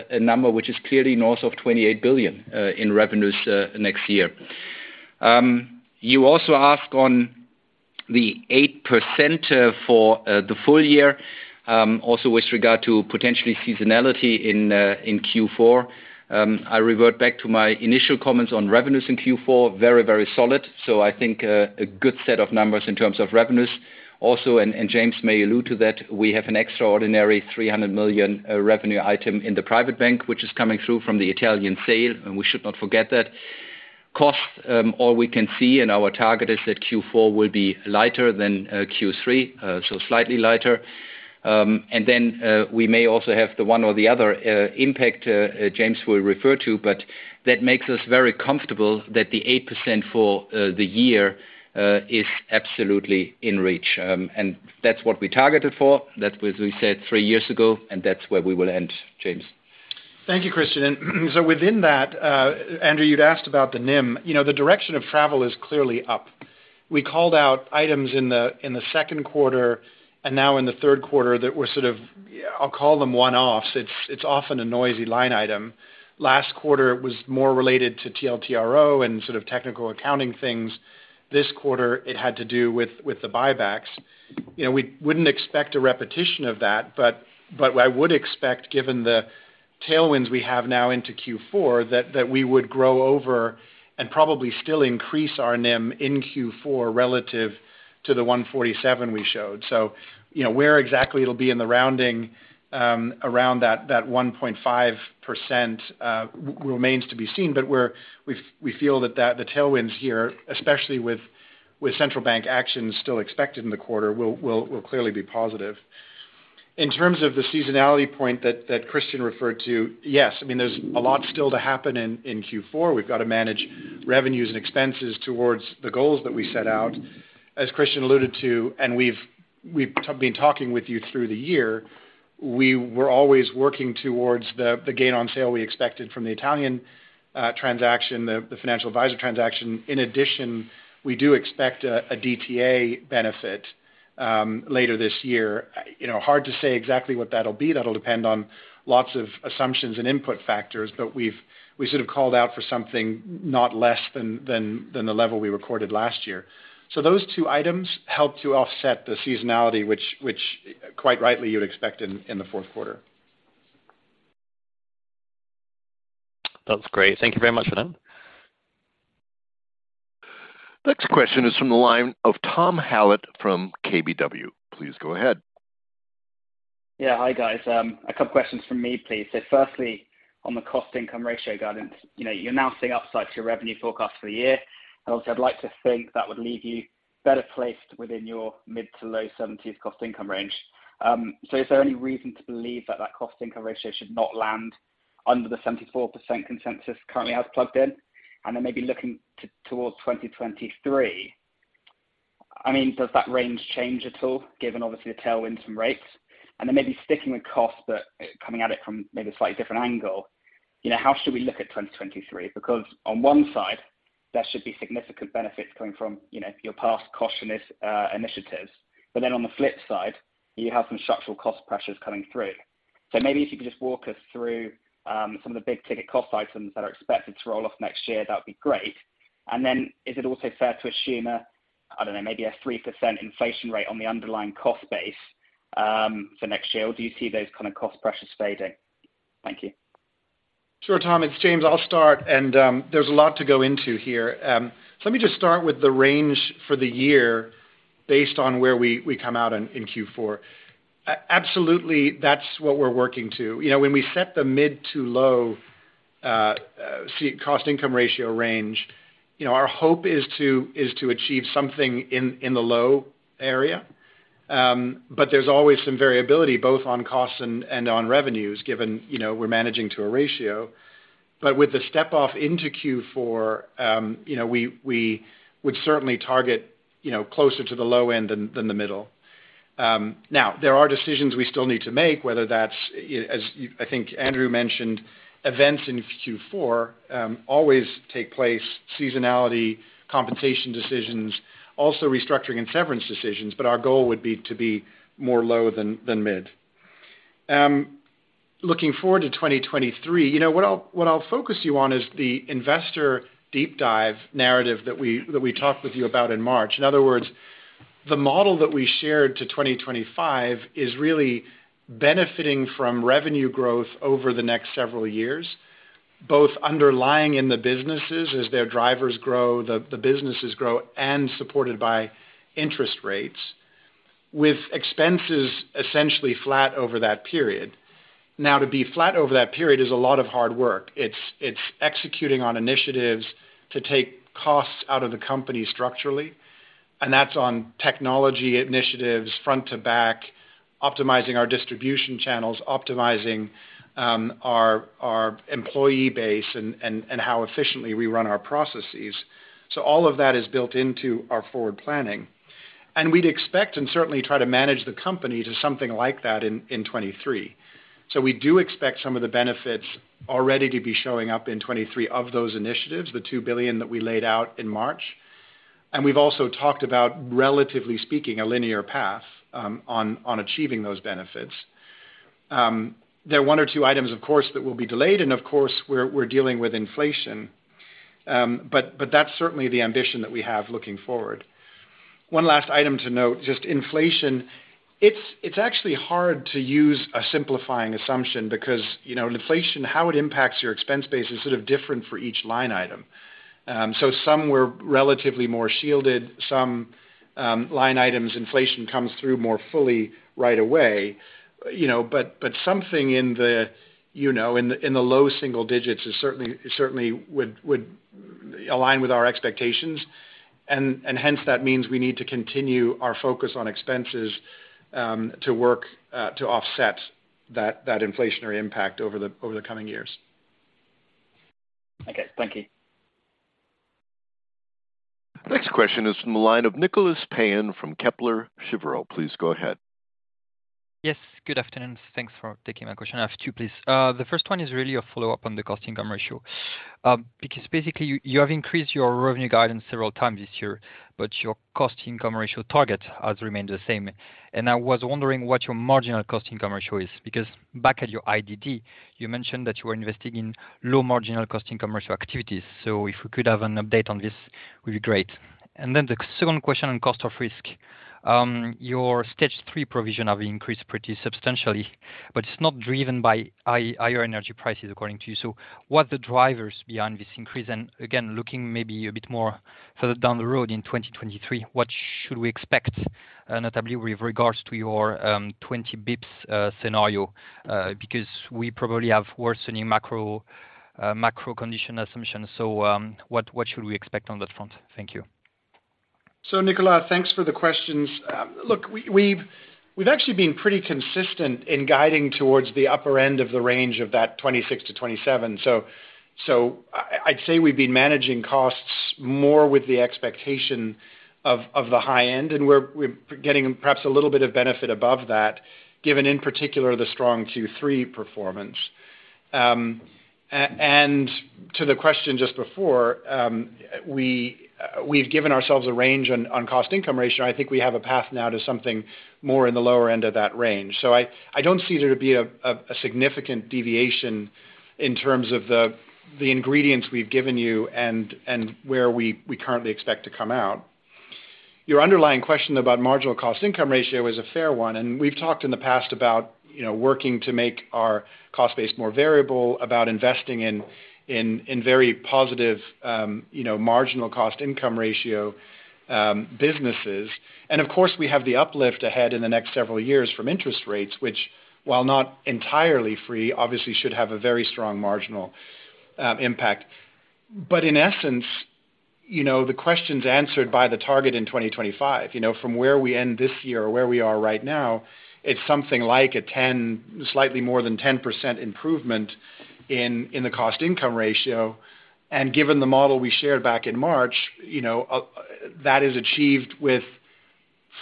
a number which is clearly north of 28 billion in revenues next year. You also ask on the 8% for the full year, also with regard to potentially seasonality in Q4. I revert back to my initial comments on revenues in Q4, very solid. I think a good set of numbers in terms of revenues. Also, James may allude to that. We have an extraordinary 300 million revenue item in the private bank, which is coming through from the Italian sale, and we should not forget that. Costs. All we can see and our target is that Q4 will be lighter than Q3, so slightly lighter. We may also have the one or the other impact James will refer to, but that makes us very comfortable that the 8% for the year is absolutely in reach. That's what we targeted for, that was what we said three years ago, and that's where we will end. James. Thank you, Christian. Within that, Andrew, you'd asked about the NIM. You know, the direction of travel is clearly up. We called out items in the Q2, and now in the Q3 that were sort of, I'll call them one-offs. It's often a noisy line item. Last quarter, it was more related to TLTRO and sort of technical accounting things. This quarter, it had to do with the buybacks. You know, we wouldn't expect a repetition of that, but I would expect, given the tailwinds we have now into Q4, that we would grow over and probably still increase our NIM in Q4 relative to the 1.47% we showed. You know, where exactly it'll be in the rounding, around that 1.5%, remains to be seen. We feel that the tailwinds here, especially with central bank actions still expected in the quarter, will clearly be positive. In terms of the seasonality point that Christian referred to, yes, I mean, there's a lot still to happen in Q4. We've got to manage revenues and expenses towards the goals that we set out. As Christian alluded to, we've been talking with you through the year, we were always working towards the gain on sale we expected from the Italian transaction, the financial advisor transaction. In addition, we do expect a DTA benefit later this year. You know, hard to say exactly what that'll be. That'll depend on lots of assumptions and input factors. We've sort of called out for something not less than the level we recorded last year. Those two items help to offset the seasonality, which quite rightly you'd expect in the Q4. That's great. Thank you very much for that. Next question is from the line of Thomas Hallett from KBW. Please go ahead. Yeah. Hi, guys. A couple questions from me, please. Firstly, on the cost income ratio guidance, you know, you're now seeing upside to your revenue forecast for the year. Also I'd like to think that would leave you better placed within your mid-to-low 70s cost income range. Is there any reason to believe that cost income ratio should not land under the 74% consensus currently has plugged in? Then maybe looking towards 2023, I mean, does that range change at all given obviously the tailwind from rates? Then maybe sticking with cost, but coming at it from maybe a slightly different angle, you know, how should we look at 2023? Because on one side, there should be significant benefits coming from, you know, your past cautious initiatives. On the flip side, you have some structural cost pressures coming through. Maybe if you could just walk us through some of the big ticket cost items that are expected to roll off next year, that would be great. Is it also fair to assume a, I don't know, maybe a 3% inflation rate on the underlying cost base for next year? Do you see those kind of cost pressures fading? Thank you. Sure, Tom Hallett. It's James von Moltke. I'll start, and there's a lot to go into here. So let me just start with the range for the year based on where we come out in Q4. Absolutely, that's what we're working to. You know, when we set the mid-to-low- cost income ratio range. You know, our hope is to achieve something in the low area. But there's always some variability both on costs and on revenues given, you know, we're managing to a ratio. With the step off into Q4, you know, we would certainly target, you know, closer to the low end than the middle. Now, there are decisions we still need to make, whether that's, I think Andrew mentioned, events in Q4 always take place, seasonality, compensation decisions, also restructuring and severance decisions, but our goal would be to be more low than mid. Looking forward to 2023, you know, what I'll focus you on is the investor deep dive narrative that we talked with you about in March. In other words, the model that we shared to 2025 is really benefiting from revenue growth over the next several years, both underlying in the businesses as their drivers grow, the businesses grow, and supported by interest rates. With expenses essentially flat over that period. To be flat over that period is a lot of hard work. It's executing on initiatives to take costs out of the company structurally. That's on technology initiatives front to back, optimizing our distribution channels, optimizing our employee base, and how efficiently we run our processes. All of that is built into our forward planning. We'd expect and certainly try to manage the company to something like that in 2023. We do expect some of the benefits already to be showing up in 2023 of those initiatives, the 2 billion that we laid out in March. We've also talked about, relatively speaking, a linear path on achieving those benefits. There are one or two items, of course, that will be delayed, and of course, we're dealing with inflation. That's certainly the ambition that we have looking forward. One last item to note, just inflation. It's actually hard to use a simplifying assumption because, you know, inflation, how it impacts your expense base is sort of different for each line item. So some were relatively more shielded, some line items, inflation comes through more fully right away. You know, but something in the low single digits is certainly would align with our expectations. Hence that means we need to continue our focus on expenses to offset that inflationary impact over the coming years. Okay. Thank you. Next question is from the line of Nicolas Payen from Kepler Cheuvreux. Please go ahead. Yes. Good afternoon. Thanks for taking my question. I have two, please. The first one is really a follow-up on the cost income ratio. Because basically you have increased your revenue guidance several times this year, but your cost income ratio target has remained the same. I was wondering what your marginal cost income ratio is. Because back at your IDD, you mentioned that you were investing in low marginal cost income ratio activities. If we could have an update on this, would be great. Then the second question on cost of risk. Your stage three provision have increased pretty substantially, but it's not driven by higher energy prices, according to you. What are the drivers behind this increase? Looking maybe a bit more further down the road in 2023, what should we expect, notably with regards to your 20 BPS scenario? Because we probably have worsening macro condition assumptions. What should we expect on that front? Thank you. Nicolas, thanks for the questions. Look, we've actually been pretty consistent in guiding towards the upper end of the range of that 26%-27%. I'd say we've been managing costs more with the expectation of the high end, and we're getting perhaps a little bit of benefit above that, given in particular the strong Q3 performance. To the question just before, we've given ourselves a range on cost income ratio. I think we have a path now to something more in the lower end of that range. I don't see there to be a significant deviation in terms of the ingredients we've given you and where we currently expect to come out. Your underlying question about marginal cost income ratio is a fair one. We've talked in the past about, you know, working to make our cost base more variable, about investing in very positive, you know, marginal cost/income ratio businesses. Of course, we have the uplift ahead in the next several years from interest rates, which, while not entirely free, obviously should have a very strong marginal impact. In essence, you know, the question's answered by the target in 2025. You know, from where we end this year or where we are right now, it's something like slightly more than 10% improvement in the cost/income ratio. Given the model we shared back in March, you know, that is achieved with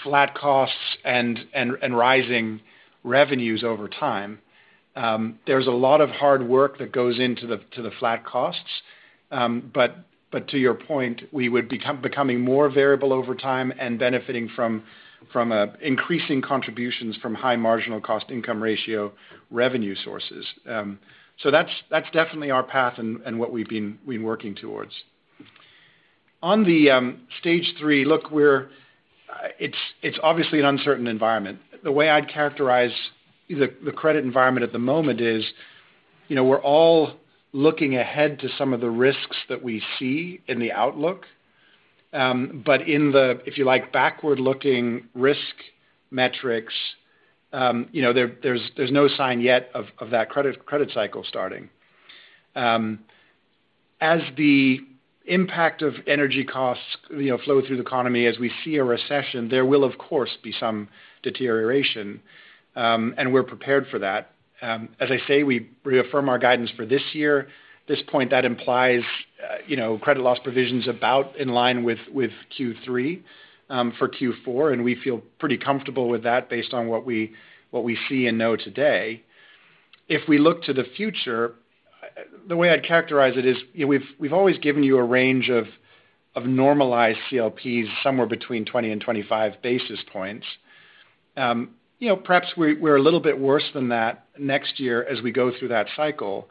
flat costs and rising revenues over time. There's a lot of hard work that goes into the flat costs. To your point, we would be becoming more variable over time and benefiting from increasing contributions from high marginal cost income ratio revenue sources. That's definitely our path and what we've been working towards. On the stage three look, it's obviously an uncertain environment. The way I'd characterize the credit environment at the moment is, you know, we're all looking ahead to some of the risks that we see in the outlook. In the, if you like, backward-looking risk metrics, you know, there's no sign yet of that credit cycle starting. As the impact of energy costs, you know, flow through the economy, as we see a recession, there will of course be some deterioration, and we're prepared for that. As I say, we reaffirm our guidance for this year. At this point, that implies, you know, credit loss provisions about in line with Q3 for Q4, and we feel pretty comfortable with that based on what we see and know today. If we look to the future, the way I'd characterize it is, you know, we've always given you a range of normalized CLPs somewhere between 20 and 25 basis points. You know, perhaps we're a little bit worse than that next year as we go through that cycle.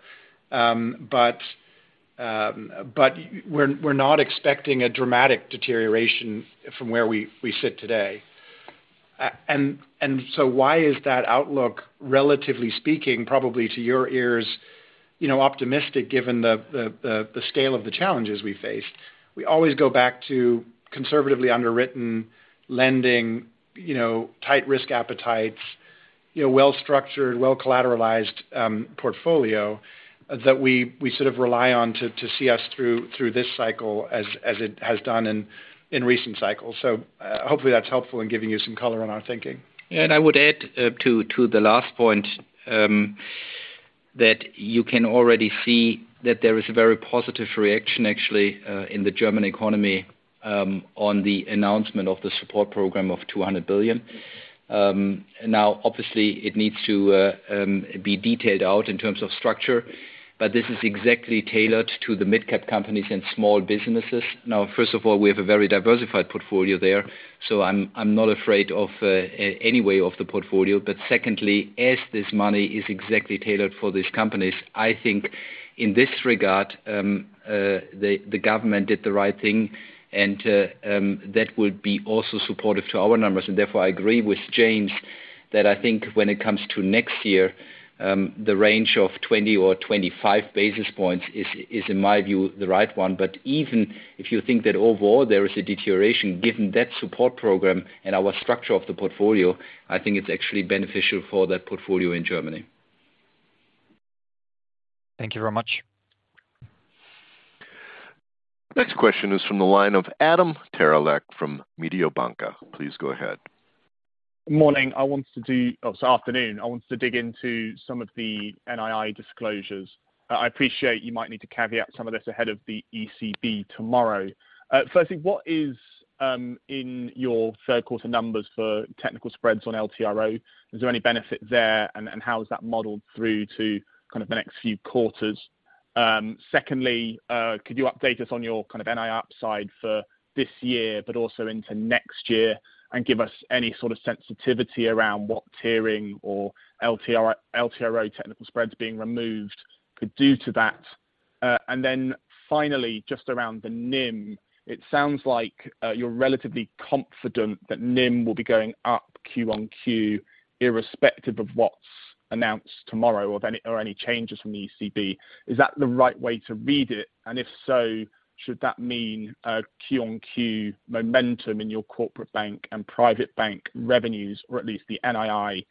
We're not expecting a dramatic deterioration from where we sit today. Why is that outlook, relatively speaking, probably to your ears, you know, optimistic given the scale of the challenges we faced? We always go back to conservatively underwritten lending, you know, tight risk appetites, you know, well-structured, well-collateralized portfolio that we sort of rely on to see us through this cycle as it has done in recent cycles. Hopefully that's helpful in giving you some color on our thinking. I would add to the last point that you can already see that there is a very positive reaction actually in the German economy on the announcement of the support program of 200 billion. Now obviously it needs to be detailed out in terms of structure, but this is exactly tailored to the midcap companies and small businesses. Now, first of all, we have a very diversified portfolio there, so I'm not afraid of any way of the portfolio. But secondly, as this money is exactly tailored for these companies, I think in this regard the government did the right thing and that would be also supportive to our numbers. Therefore, I agree with James that I think when it comes to next year, the range of 20 or 25 basis points is in my view, the right one. Even if you think that overall there is a deterioration given that support program and our structure of the portfolio, I think it's actually beneficial for that portfolio in Germany. Thank you very much. Next question is from the line of Adam Terelak from Mediobanca. Please go ahead. Morning. Or it's afternoon. I wanted to dig into some of the NII disclosures. I appreciate you might need to caveat some of this ahead of the ECB tomorrow. Firstly, what is in your Q3 numbers for technical spreads on TLTRO? Is there any benefit there? And how is that modeled through to kind of the next few quarters? Secondly, could you update us on your kind of NII upside for this year, but also into next year and give us any sort of sensitivity around what tiering or TLTRO technical spreads being removed could do to that? And then finally, just around the NIM, it sounds like you're relatively confident that NIM will be going up Q on Q irrespective of what's announced tomorrow or any changes from the ECB. Is that the right way to read it? If so, should that mean Q on Q momentum in your Corporate Bank and Private Bank revenues, or at least the NII,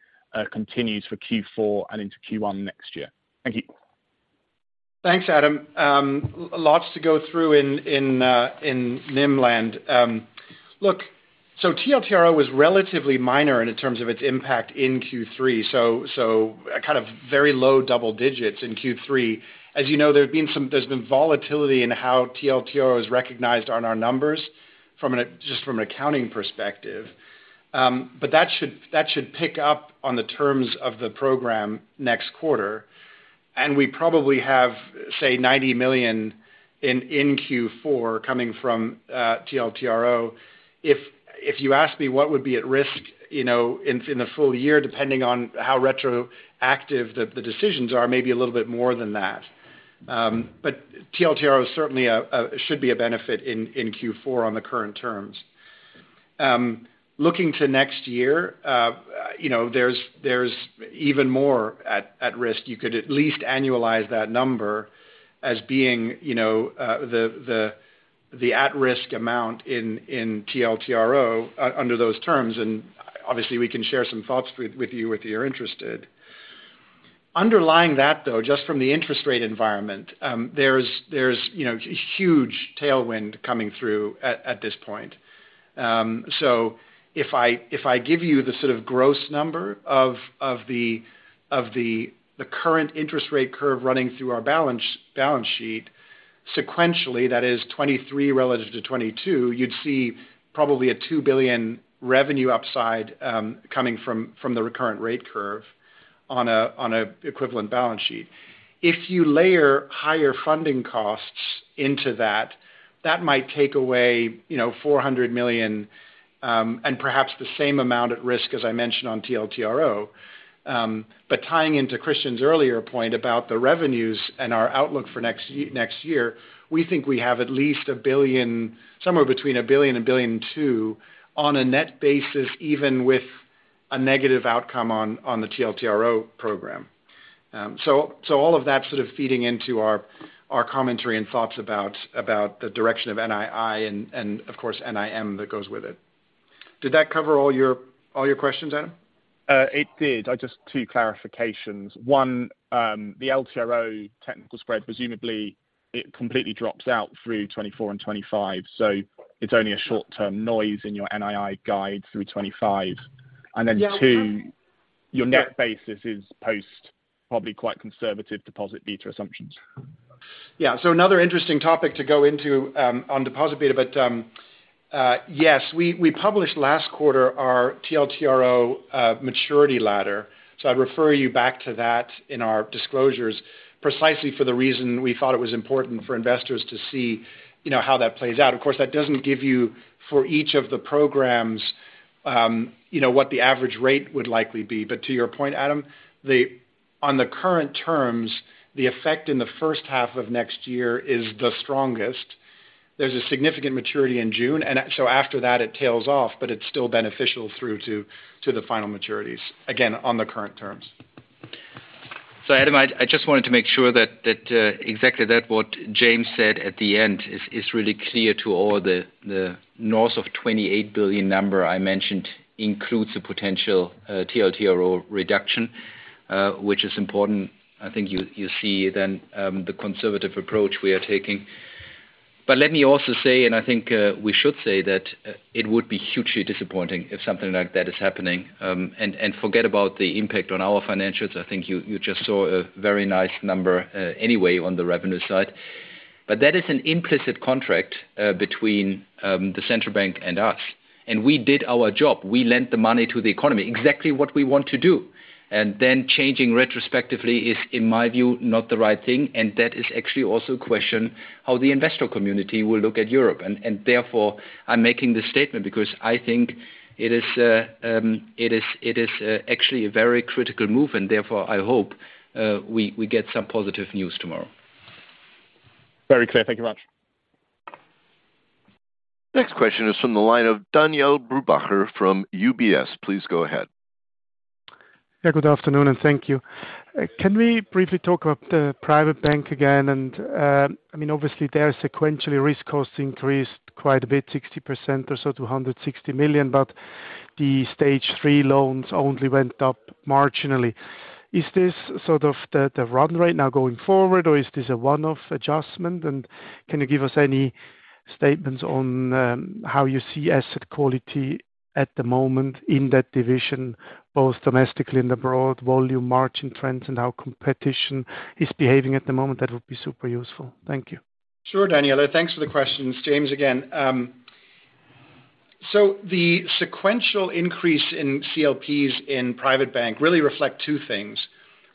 continues for Q4 and into Q1 next year? Thank you. Thanks, Adam. Lots to go through in NIM land. Look, so TLTRO was relatively minor in terms of its impact in Q3, so a kind of very low double digits in Q3. As you know, there's been volatility in how TLTRO is recognized on our numbers just from an accounting perspective. That should pick up on the terms of the program next quarter. We probably have, say, 90 million in Q4 coming from TLTRO. If you ask me what would be at risk, you know, in the full year, depending on how retroactive the decisions are, maybe a little bit more than that. TLTRO is certainly a benefit in Q4 on the current terms. Looking to next year, you know, there's even more at risk. You could at least annualize that number as being, you know, the at risk amount in TLTRO under those terms, and obviously, we can share some thoughts with you if you're interested. Underlying that, though, just from the interest rate environment, there's you know, huge tailwind coming through at this point. So if I give you the sort of gross number of the current interest rate curve running through our balance sheet sequentially, that is 2023 relative to 2022, you'd see probably a 2 billion revenue upside, coming from the current interest rate curve on a equivalent balance sheet. If you layer higher funding costs into that might take away, you know, 400 million, and perhaps the same amount at risk as I mentioned on TLTRO. But tying into Christian's earlier point about the revenues and our outlook for next year, we think we have at least 1 billion, somewhere between 1 billion and 1.2 billion on a net basis, even with a negative outcome on the TLTRO program. So all of that sort of feeding into our commentary and thoughts about the direction of NII and, of course, NIM that goes with it. Did that cover all your questions, Adam? It did. I just two clarifications. One, the LTRO technical spread, presumably it completely drops out through 2024 and 2025. It's only a short-term noise in your NII guide through 2025. Then two- Yeah. Your net basis is most probably quite conservative deposit beta assumptions. Yeah. Another interesting topic to go into on deposit beta. Yes, we published last quarter our TLTRO maturity ladder. I'd refer you back to that in our disclosures precisely for the reason we thought it was important for investors to see, you know, how that plays out. Of course, that doesn't give you, for each of the programs, you know, what the average rate would likely be. To your point, Adam, on the current terms, the effect in the H1 of next year is the strongest. There's a significant maturity in June, and so after that it tails off, but it's still beneficial through to the final maturities, again, on the current terms. Adam Terelak, I just wanted to make sure that exactly what James von Moltke said at the end is really clear to all. The north of 28 billion number I mentioned includes a potential TLTRO reduction, which is important. I think you'll see then the conservative approach we are taking. Let me also say, I think we should say that it would be hugely disappointing if something like that is happening. Forget about the impact on our financials. I think you just saw a very nice number anyway on the revenue side. That is an implicit contract between the central bank and us, and we did our job. We lent the money to the economy, exactly what we want to do. Then changing retrospectively is, in my view, not the right thing. That is actually also a question how the investor community will look at Europe. Therefore, I'm making this statement because I think it is actually a very critical move, and therefore I hope we get some positive news tomorrow. Very clear. Thank you much. Next question is from the line of Daniele Brupbacher from UBS. Please go ahead. Yeah, good afternoon, and thank you. Can we briefly talk about the private bank again? I mean, obviously their sequential risk costs increased quite a bit, 60% or so to 160 million, but the stage three loans only went up marginally. Is this sort of the run right now going forward, or is this a one-off adjustment? Can you give us any statements on how you see asset quality at the moment in that division, both domestically and abroad, volume, margin trends, and how competition is behaving at the moment? That would be super useful. Thank you. Sure, Daniel, and thanks for the questions. James again. The sequential increase in CLPs in private bank really reflect two things.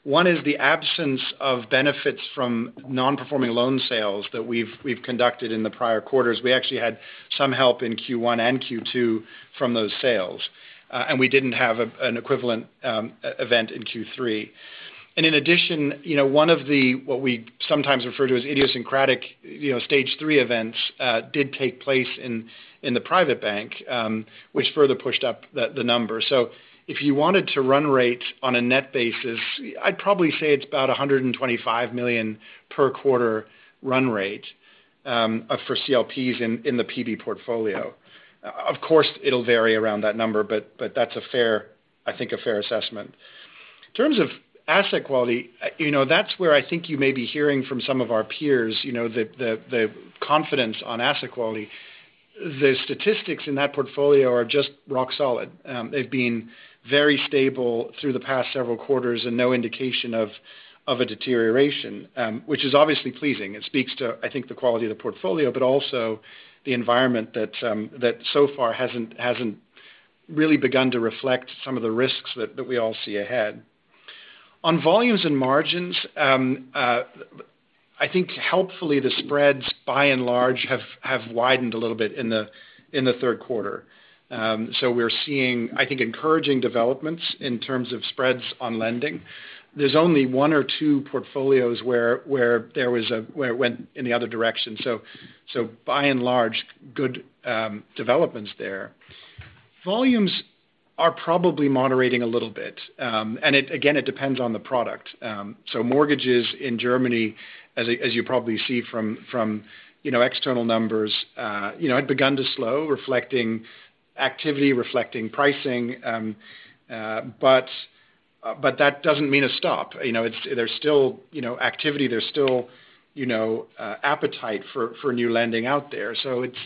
One is the absence of benefits from non-performing loan sales that we've conducted in the prior quarters. We actually had some help in Q1 and Q2 from those sales, and we didn't have an equivalent event in Q3. In addition, you know, one of the, what we sometimes refer to as idiosyncratic, you know, stage three events, did take place in the private bank, which further pushed up the number. If you wanted to run rate on a net basis, I'd probably say it's about 125 million per quarter run rate for CLPs in the PB portfolio. Of course, it'll vary around that number, but that's a fair, I think a fair assessment. In terms of asset quality, you know, that's where I think you may be hearing from some of our peers, you know, the confidence on asset quality. The statistics in that portfolio are just rock solid. They've been very stable through the past several quarters and no indication of a deterioration, which is obviously pleasing. It speaks to, I think, the quality of the portfolio, but also the environment that so far hasn't really begun to reflect some of the risks that we all see ahead. On volumes and margins, I think helpfully the spreads by and large have widened a little bit in the Q3. We're seeing, I think, encouraging developments in terms of spreads on lending. There's only one or two portfolios where there was where it went in the other direction. By and large, good developments there. Volumes are probably moderating a little bit, and it, again, it depends on the product. Mortgages in Germany, as you probably see from you know, external numbers, you know, had begun to slow reflecting activity, reflecting pricing. That doesn't mean a stop. You know, it's. There's still, you know, activity, there's still, you know, appetite for new lending out there. It's.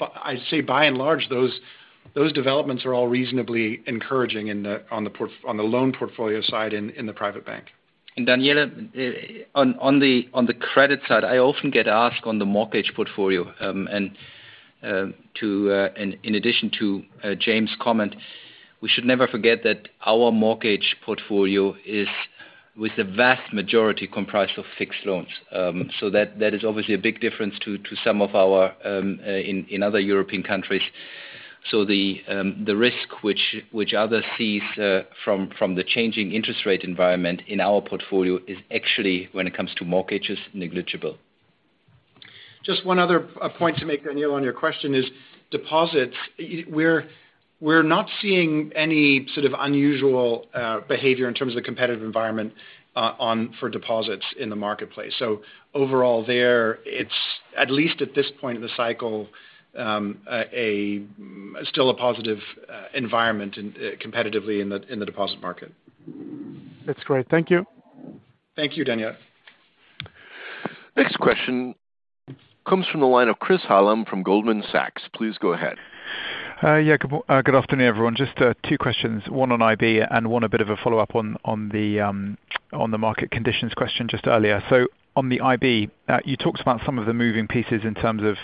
I'd say by and large, those developments are all reasonably encouraging on the loan portfolio side in the Private Bank. Daniele, on the credit side, I often get asked on the mortgage portfolio, and in addition to James' comment, we should never forget that our mortgage portfolio is with the vast majority comprised of fixed loans. That is obviously a big difference to some of our peers in other European countries. The risk which others sees from the changing interest rate environment in our portfolio is actually, when it comes to mortgages, negligible. Just one other point to make, Daniele, on your question is deposits. We're not seeing any sort of unusual behavior in terms of competitive environment on for deposits in the marketplace. Overall there, it's at least at this point in the cycle, still a positive environment competitively in the deposit market. That's great. Thank you. Thank you, Daniele. Next question comes from the line of Chris Hallam from Goldman Sachs. Please go ahead. Good afternoon, everyone. Just two questions. One on IB and one a bit of a follow-up on the market conditions question just earlier. On the IB, you talked about some of the moving pieces in terms of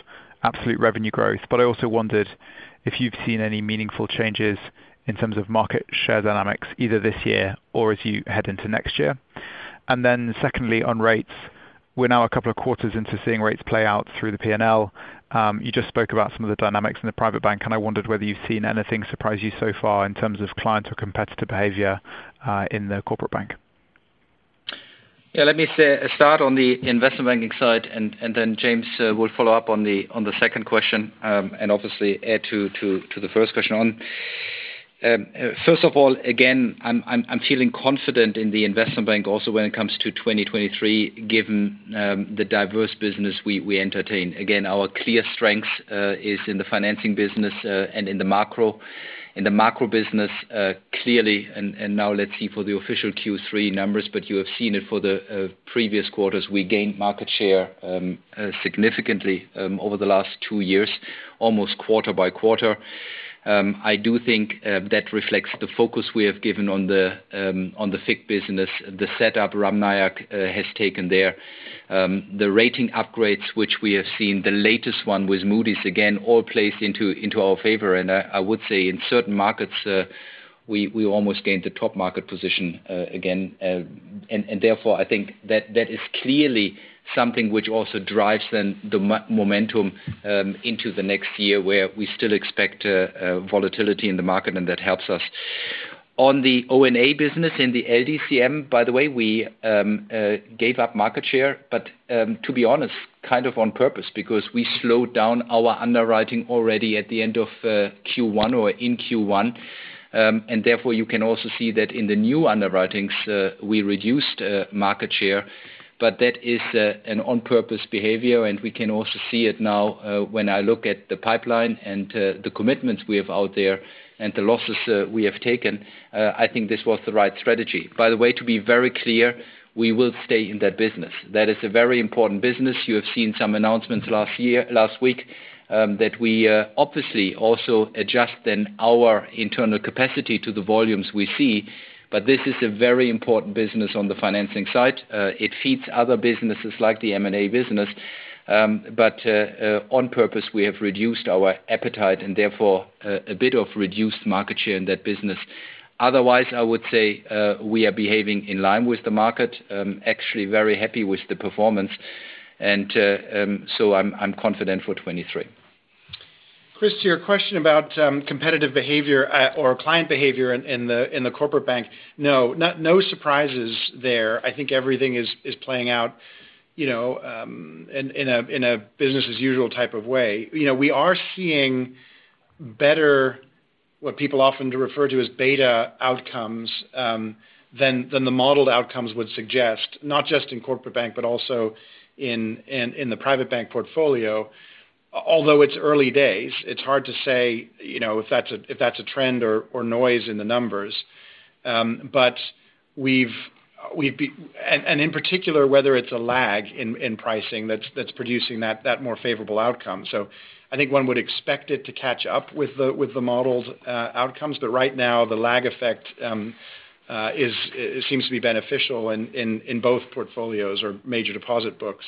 absolute revenue growth. I also wondered if you've seen any meaningful changes in terms of market share dynamics either this year or as you head into next year. Then secondly, on rates, we're now a couple of quarters into seeing rates play out through the P&L. You just spoke about some of the dynamics in the private bank, and I wondered whether you've seen anything surprise you so far in terms of client or competitor behavior in the corporate bank. Yeah, let me say, start on the investment banking side and then James will follow-up on the second question and obviously add to the first question on. First of all, again, I'm feeling confident in the investment bank also when it comes to 2023, given the diverse business we entertain. Again, our clear strength is in the financing business and in the macro business clearly, and now let's see for the official Q3 numbers, but you have seen it for the previous quarters. We gained market share significantly over the last two years, almost quarter by quarter. I do think that reflects the focus we have given on the FIG business, the setup Ramnayek has taken there. The rating upgrades which we have seen, the latest one with Moody's, again, all plays into our favor. I would say in certain markets, we almost gained the top market position, again. Therefore I think that is clearly something which also drives then the momentum into the next year where we still expect volatility in the market and that helps us. On the O&A business in the LDCM, by the way, we gave up market share, but to be honest, kind of on purpose because we slowed down our underwriting already at the end of Q1 or in Q1. Therefore you can also see that in the new underwritings, we reduced market share, but that is an on-purpose behavior and we can also see it now, when I look at the pipeline and the commitments we have out there and the losses we have taken. I think this was the right strategy. By the way, to be very clear, we will stay in that business. That is a very important business. You have seen some announcements last week that we obviously also adjust then our internal capacity to the volumes we see, but this is a very important business on the financing side. It feeds other businesses like the M&A business. On purpose we have reduced our appetite and therefore a bit of reduced market share in that business. Otherwise, I would say we are behaving in line with the market. Actually very happy with the performance and so I'm confident for 2023. Chris, to your question about competitive behavior or client behavior in the Corporate Bank. No surprises there. I think everything is playing out, you know, in a business as usual type of way. You know, we are seeing better what people often refer to as beta outcomes than the modeled outcomes would suggest, not just in Corporate Bank, but also in the Private Bank portfolio. Although it's early days, it's hard to say, you know, if that's a trend or noise in the numbers. In particular whether it's a lag in pricing that's producing that more favorable outcome. I think one would expect it to catch up with the models outcomes but right now the lag effect it seems to be beneficial in both portfolios, our major deposit books.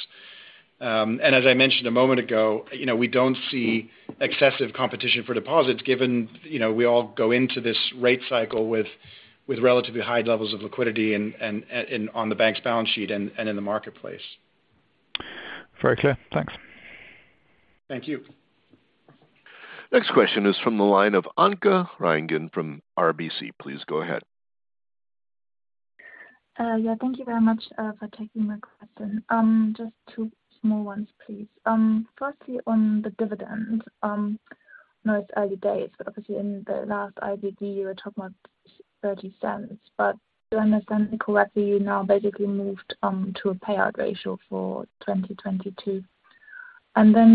As I mentioned a moment ago, you know, we don't see excessive competition for deposits given, you know, we all go into this rate cycle with relatively high levels of liquidity and on the bank's balance sheet and in the marketplace. Very clear. Thanks. Thank you. Next question is from the line of Anke Reingen from RBC. Please go ahead. Yeah, thank you very much for taking my question. Just two small ones, please. Firstly on the dividend, I know it's early days, but obviously in the last IDD you were talking about 0.30, but do I understand correctly you now basically moved to a payout ratio for 2022?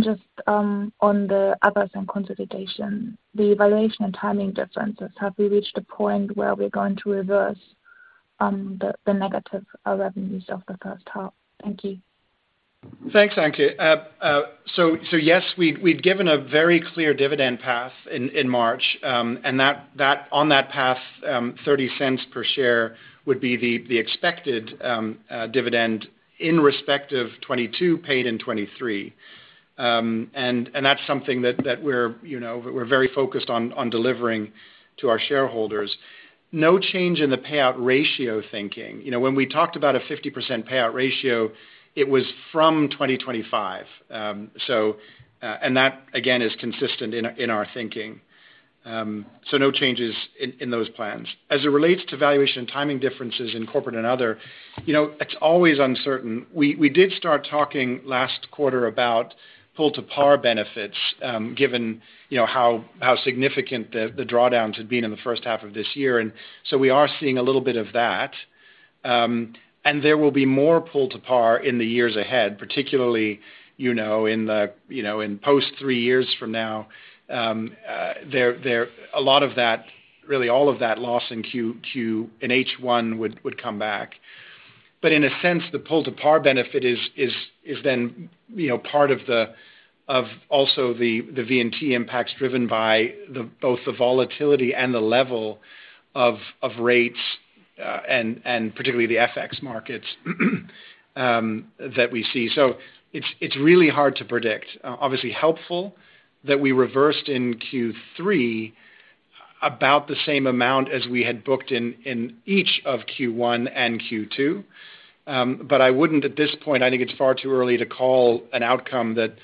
Just on the others and consolidation, the valuation and timing differences, have we reached a point where we're going to reverse the negative revenues of the H1? Thank you. Thanks, Anke. Yes, we'd given a very clear dividend path in March, and that on that path, 0.30 per share would be the expected dividend in respect of 2022 paid in 2023. That's something that we're, you know, very focused on delivering to our shareholders. No change in the payout ratio thinking. You know, when we talked about a 50% payout ratio, it was from 2025. That again is consistent in our thinking. No changes in those plans. As it relates to valuation and timing differences in corporate and other, you know, it's always uncertain. We did start talking last quarter about pull-to-par benefits, given you know how significant the drawdowns had been in the H1 of this year. We are seeing a little bit of that. There will be more pull-to-par in the years ahead, particularly you know in post three years from now. A lot of that, really all of that loss in H1 would come back. In a sense, the pull-to-par benefit is then, you know, part of also the V&T impacts driven by both the volatility and the level of rates, and particularly the FX markets that we see. It's really hard to predict. Obviously helpful that we reversed in Q3 about the same amount as we had booked in each of Q1 and Q2. I wouldn't at this point, I think it's far too early to call an outcome that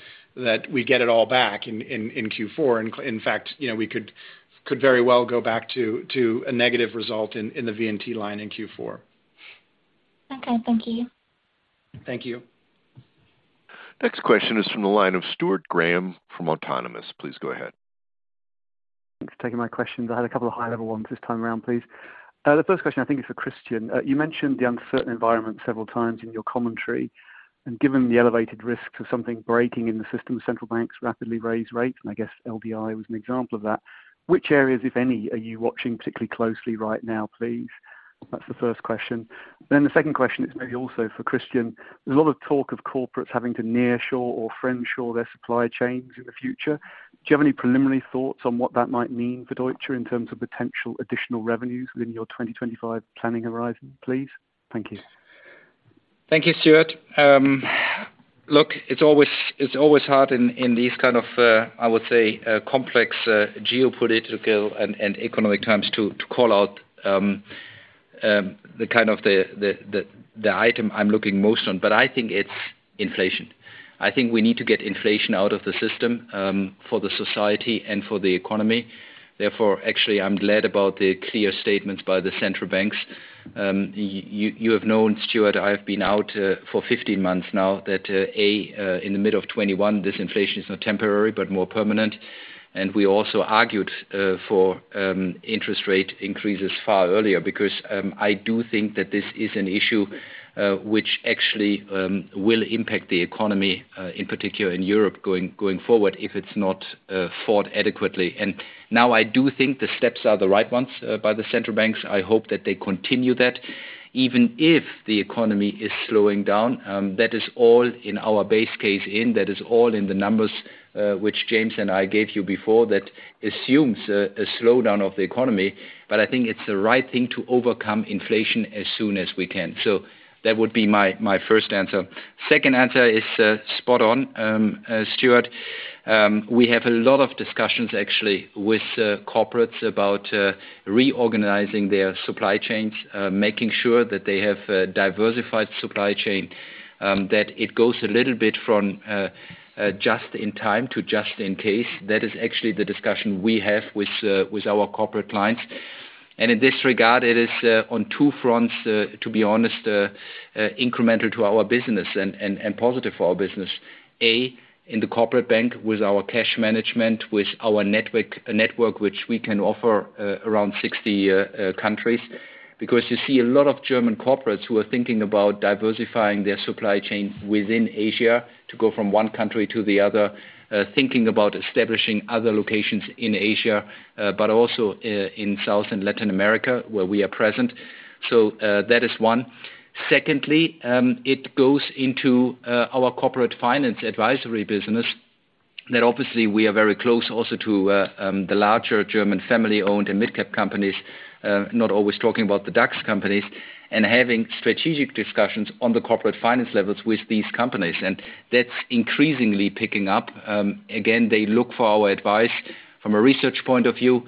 we get it all back in Q4. In fact, you know, we could very well go back to a negative result in the V&T line in Q4. Okay. Thank you. Thank you. Next question is from the line of Stuart Graham from Autonomous. Please go ahead. Thanks for taking my questions. I had a couple of high-level ones this time around, please. The first question I think is for Christian. You mentioned the uncertain environment several times in your commentary. Given the elevated risks of something breaking in the system, central banks rapidly raise rates, and I guess LDI was an example of that, which areas, if any, are you watching particularly closely right now, please? That's the first question. The second question is maybe also for Christian. There's a lot of talk of corporates having to nearshore or friendshore their supply chains in the future. Do you have any preliminary thoughts on what that might mean for Deutsche in terms of potential additional revenues within your 2025 planning horizon, please? Thank you. Thank you, Stuart. Look, it's always hard in these kind of I would say complex geopolitical and economic times to call out the item I'm looking most on, but I think it's inflation. I think we need to get inflation out of the system for the society and for the economy. Therefore, actually, I'm glad about the clear statements by the central banks. You have known, Stuart, I have been out for 15 months now that in the middle of 2021, this inflation is not temporary, but more permanent. We also argued for interest rate increases far earlier because I do think that this is an issue which actually will impact the economy in particular in Europe going forward if it's not fought adequately. Now i do think the steps are the right ones by the central banks. I hope that they continue that even if the economy is slowing down. That is all in our base case. That is all in the numbers which James and I gave you before that assumes a slowdown of the economy. I think it's the right thing to overcome inflation as soon as we can. That would be my first answer. Second answer is spot on, Stuart. We have a lot of discussions actually with corporates about reorganizing their supply chains, making sure that they have a diversified supply chain. That it goes a little bit from just in time to just in case. That is actually the discussion we have with our corporate clients. In this regard, it is on two fronts, to be honest, incremental to our business and positive for our business. A, in the Corporate Bank with our cash management, with our network which we can offer around 60 countries. Because you see a lot of German corporates who are thinking about diversifying their supply chain within Asia to go from one country to the other, thinking about establishing other locations in Asia, but also in South and Latin America, where we are present. That is one. Secondly, it goes into our corporate finance advisory business that obviously we are very close also to the larger German family-owned and midcap companies, not always talking about the DAX companies, and having strategic discussions on the corporate finance levels with these companies. That's increasingly picking up. Again, they look for our advice from a research point of view,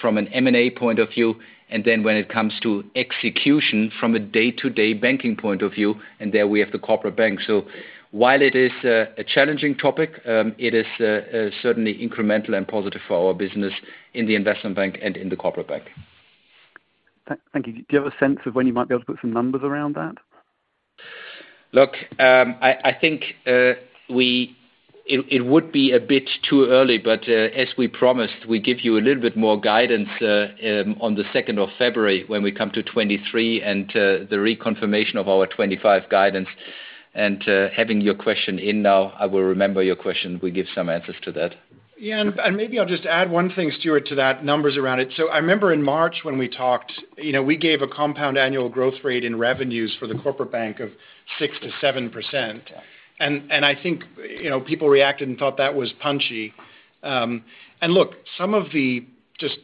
from an M&A point of view, and then when it comes to execution from a day-to-day banking point of view, and there we have the Corporate Bank. While it is a challenging topic, it is certainly incremental and positive for our business in the Investment Bank and in the Corporate Bank. Thank you. Do you have a sense of when you might be able to put some numbers around that? Look, I think it would be a bit too early, but as we promised, we give you a little bit more guidance on the second of February when we come to 2023 and the reconfirmation of our 2025 guidance. Having your question in now, I will remember your question. We give some answers to that. Maybe I'll just add one thing, Stuart, to that, numbers around it. I remember in March when we talked, you know, we gave a compound annual growth rate in revenues for the Corporate Bank of 6% to 7%. I think, you know, people reacted and thought that was punchy. Look, some of the just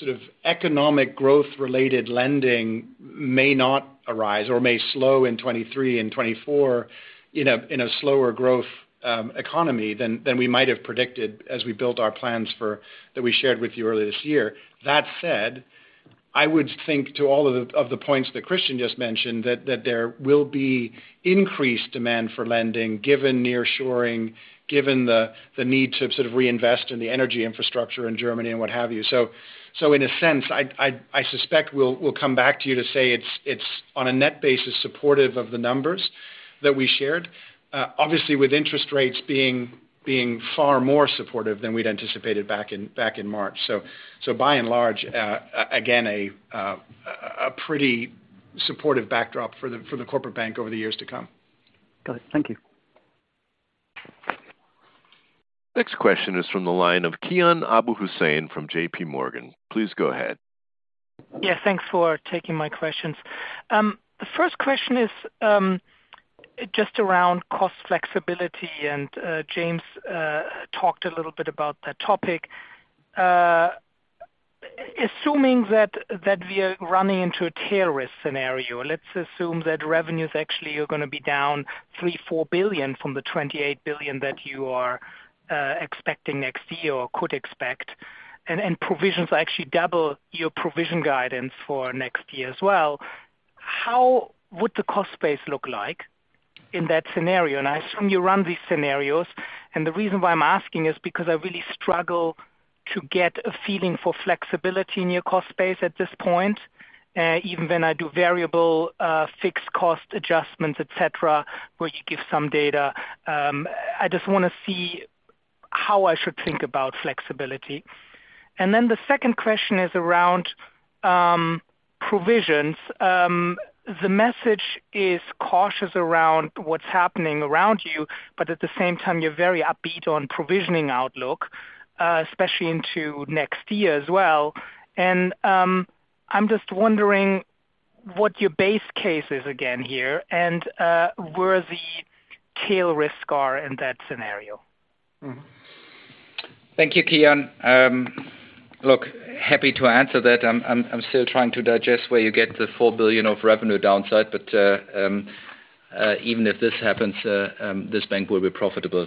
sort of economic growth-related lending may not arise or may slow in 2023 and 2024 in a slower growth economy than we might have predicted as we built our plans for that we shared with you earlier this year. That said, I would think to all of the points that Christian just mentioned that there will be increased demand for lending given nearshoring, given the need to sort of reinvest in the energy infrastructure in Germany and what have you. In a sense, I suspect we'll come back to you to say it's on a net basis supportive of the numbers that we shared, obviously with interest rates being far more supportive than we'd anticipated back in March. By and large, again a pretty supportive backdrop for the corporate bank over the years to come. Got it. Thank you. Next question is from the line of Kian Abouhossein from JP Morgan. Please go ahead. Yeah, thanks for taking my questions. The first question is just around cost flexibility, and James talked a little bit about that topic. Assuming that we are running into a tail risk scenario, let's assume that revenues actually are gonna be down 3-4 billion from the 28 billion that you are expecting next year or could expect, and provisions actually double your provision guidance for next year as well. How would the cost base look like in that scenario? I assume you run these scenarios, and the reason why I'm asking is because I really struggle to get a feeling for flexibility in your cost base at this point, even when I do variable fixed cost adjustments, et cetera, where you give some data. I just wanna see how I should think about flexibility. Then the second question is around provisions. The message is cautious around what's happening around you, but at the same time you're very upbeat on provisioning outlook, especially into next year as well. I'm just wondering what your base case is again here and where the tail risks are in that scenario. Mm-hmm. Thank you, Kian. Look, happy to answer that. I'm still trying to digest where you get the 4 billion of revenue downside, but even if this happens, this bank will be profitable.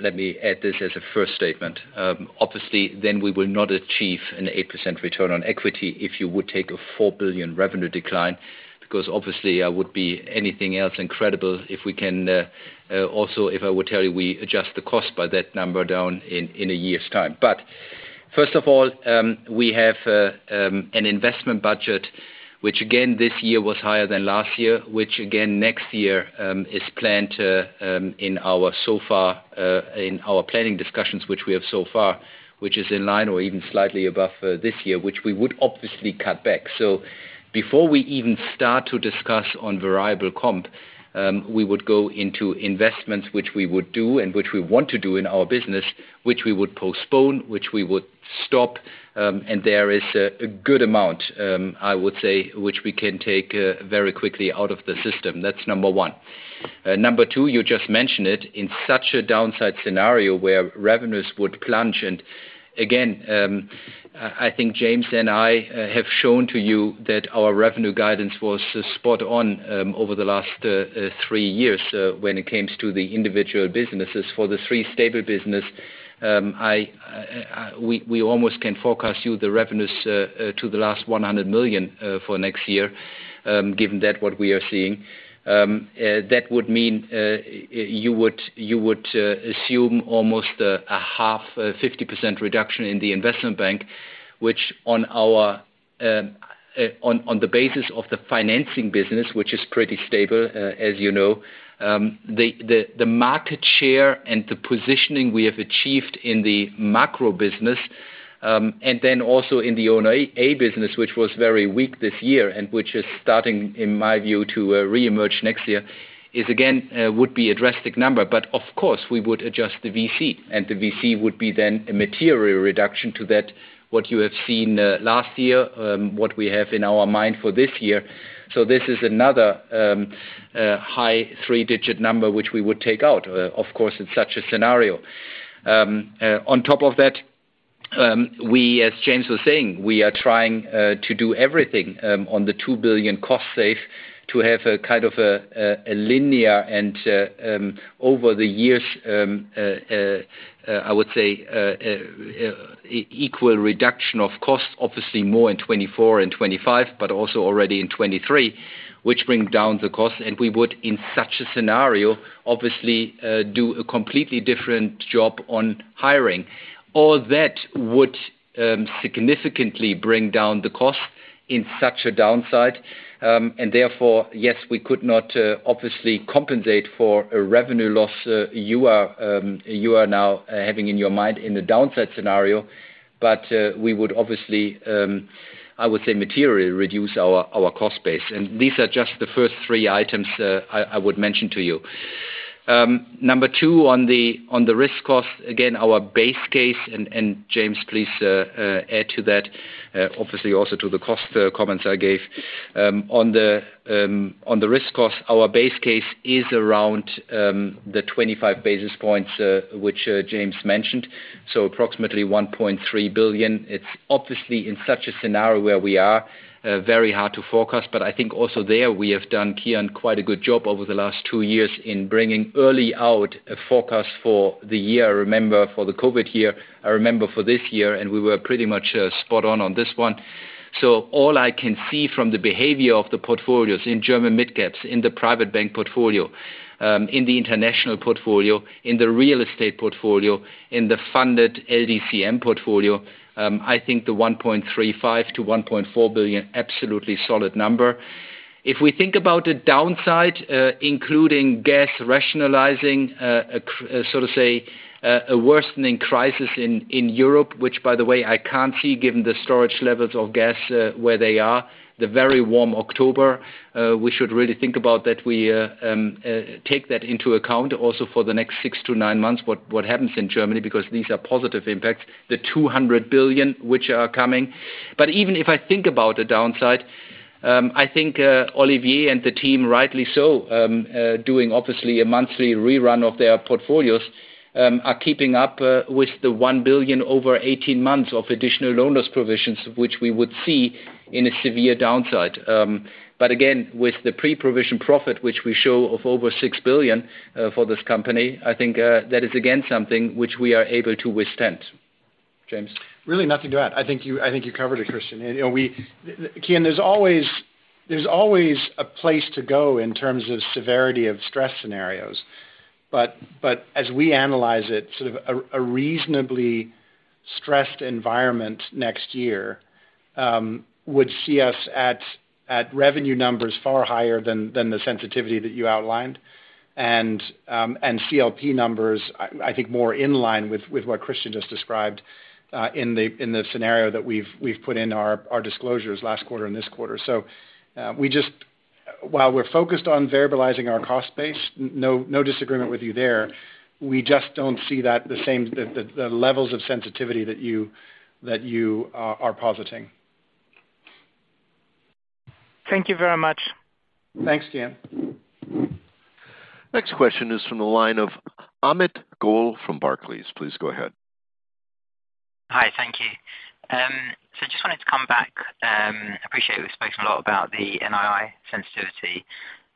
Let me add this as a first statement. Obviously, then we will not achieve an 8% return on equity if you would take a 4 billion revenue decline because obviously I would be anything else incredible if we can also if I would tell you we adjust the cost by that number down in a year's time. First of all, we have an investment budget which again this year was higher than last year, which again next year is planned to in our so far in our planning discussions which we have so far, which is in line or even slightly above this year, which we would obviously cut back. Before we even start to discuss on variable comp, we would go into investments which we would do and which we want to do in our business, which we would postpone, which we would stop, and there is a good amount, I would say, which we can take very quickly out of the system. That's number one. Number two, you just mentioned it, in such a downside scenario where revenues would plunge, and again, I think James and I have shown to you that our revenue guidance was spot on over the last three years when it comes to the individual businesses. For the three stable businesses, we almost can forecast you the revenues to the last 100 million for next year, given what we are seeing. That would mean you would assume almost a half, 50% reduction in the investment bank, which, on the basis of the financing business, which is pretty stable, as you know, the market share and the positioning we have achieved in the macro business, and then also in the O&A business, which was very weak this year and which is starting, in my view, to reemerge next year, would be a drastic number. Of course, we would adjust the VC, and the VC would be then a material reduction to that what you have seen last year, what we have in our mind for this year. This is another high three-digit number which we would take out, of course, in such a scenario. On top of that, we, as James was saying, we are trying to do everything on the 2 billion cost savings to have a kind of a linear and over the years, I would say, equal reduction of costs, obviously more in 2024 and 2025, but also already in 2023, which bring down the cost. We would, in such a scenario, obviously do a completely different job on hiring. All that would significantly bring down the cost in such a downside. Therefore, yes, we could not obviously compensate for a revenue loss, you are now having in your mind in the downside scenario, but we would obviously, I would say, materially reduce our cost base. These are just the first three items I would mention to you. Number two, on the risk cost, again, our base case and James, please add to that, obviously also to the cost comments I gave. On the risk cost, our base case is around the 25 basis points, which James mentioned, so approximately 1.3 billion. It's obviously in such a scenario where we are very hard to forecast, but I think also there we have done, Kian, quite a good job over the last two years in bringing out early a forecast for the year. Remember, for the COVID year, I mean for this year, and we were pretty much spot on this one. All I can see from the behavior of the portfolios in German mid-caps, in the private bank portfolio, in the international portfolio, in the real estate portfolio, in the funded LDCM portfolio, I think the 1.35 billion-1.4 billion, absolutely solid number. If we think about the downside, including gas rationing, so to say a worsening crisis in Europe, which by the way, I can't see given the storage levels of gas where they are, the very warm October. We should really think about that we take that into account also for the next six-nine months, what happens in Germany, because these are positive impacts, the 200 billion which are coming. Even if I think about the downside, I think Olivier and the team, rightly so, doing obviously a monthly rerun of their portfolios, are keeping up with the 1 billion over 18 months of additional loan loss provisions, which we would see in a severe downside. Again, with the pre-provision profit, which we show of over 6 billion, for this company, I think, that is again, something which we are able to withstand. James. Really nothing to add. I think you covered it, Christian. Kian, there's always a place to go in terms of severity of stress scenarios. As we analyze it, sort of a reasonably stressed environment next year would see us at revenue numbers far higher than the sensitivity that you outlined. CLP numbers I think more in line with what Christian just described in the scenario that we've put in our disclosures last quarter and this quarter. While we're focused on stabilizing our cost base, no disagreement with you there. We just don't see the same levels of sensitivity that you are positing. Thank you very much. Thanks, Kian. Next question is from the line of Amit Goel from Barclays. Please go ahead. Hi. Thank you. Just wanted to come back. Appreciate we've spoken a lot about the NII sensitivity,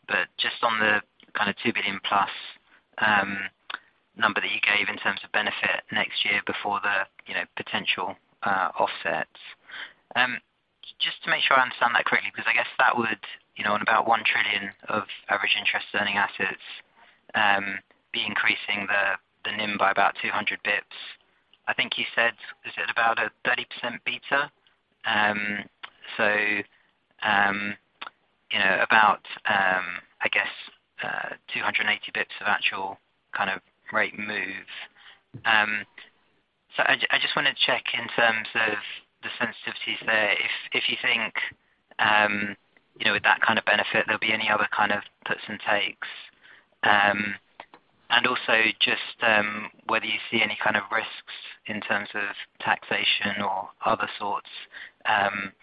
but just on the kind of 2 billion-plus number that you gave in terms of benefit next year before the, you know, potential offset. Just to make sure I understand that correctly, because I guess that would, you know, on about 1 trillion of average interest earning assets be increasing the NIM by about 200 basis points. I think you said, is it about a 30% beta? You know, about, I guess, 280 basis points of actual kind of rate move. I just want to check in terms of the sensitivities there, if you think, you know, with that kind of benefit, there'll be any other kind of puts and takes. Also just whether you see any kind of risks in terms of taxation or other sorts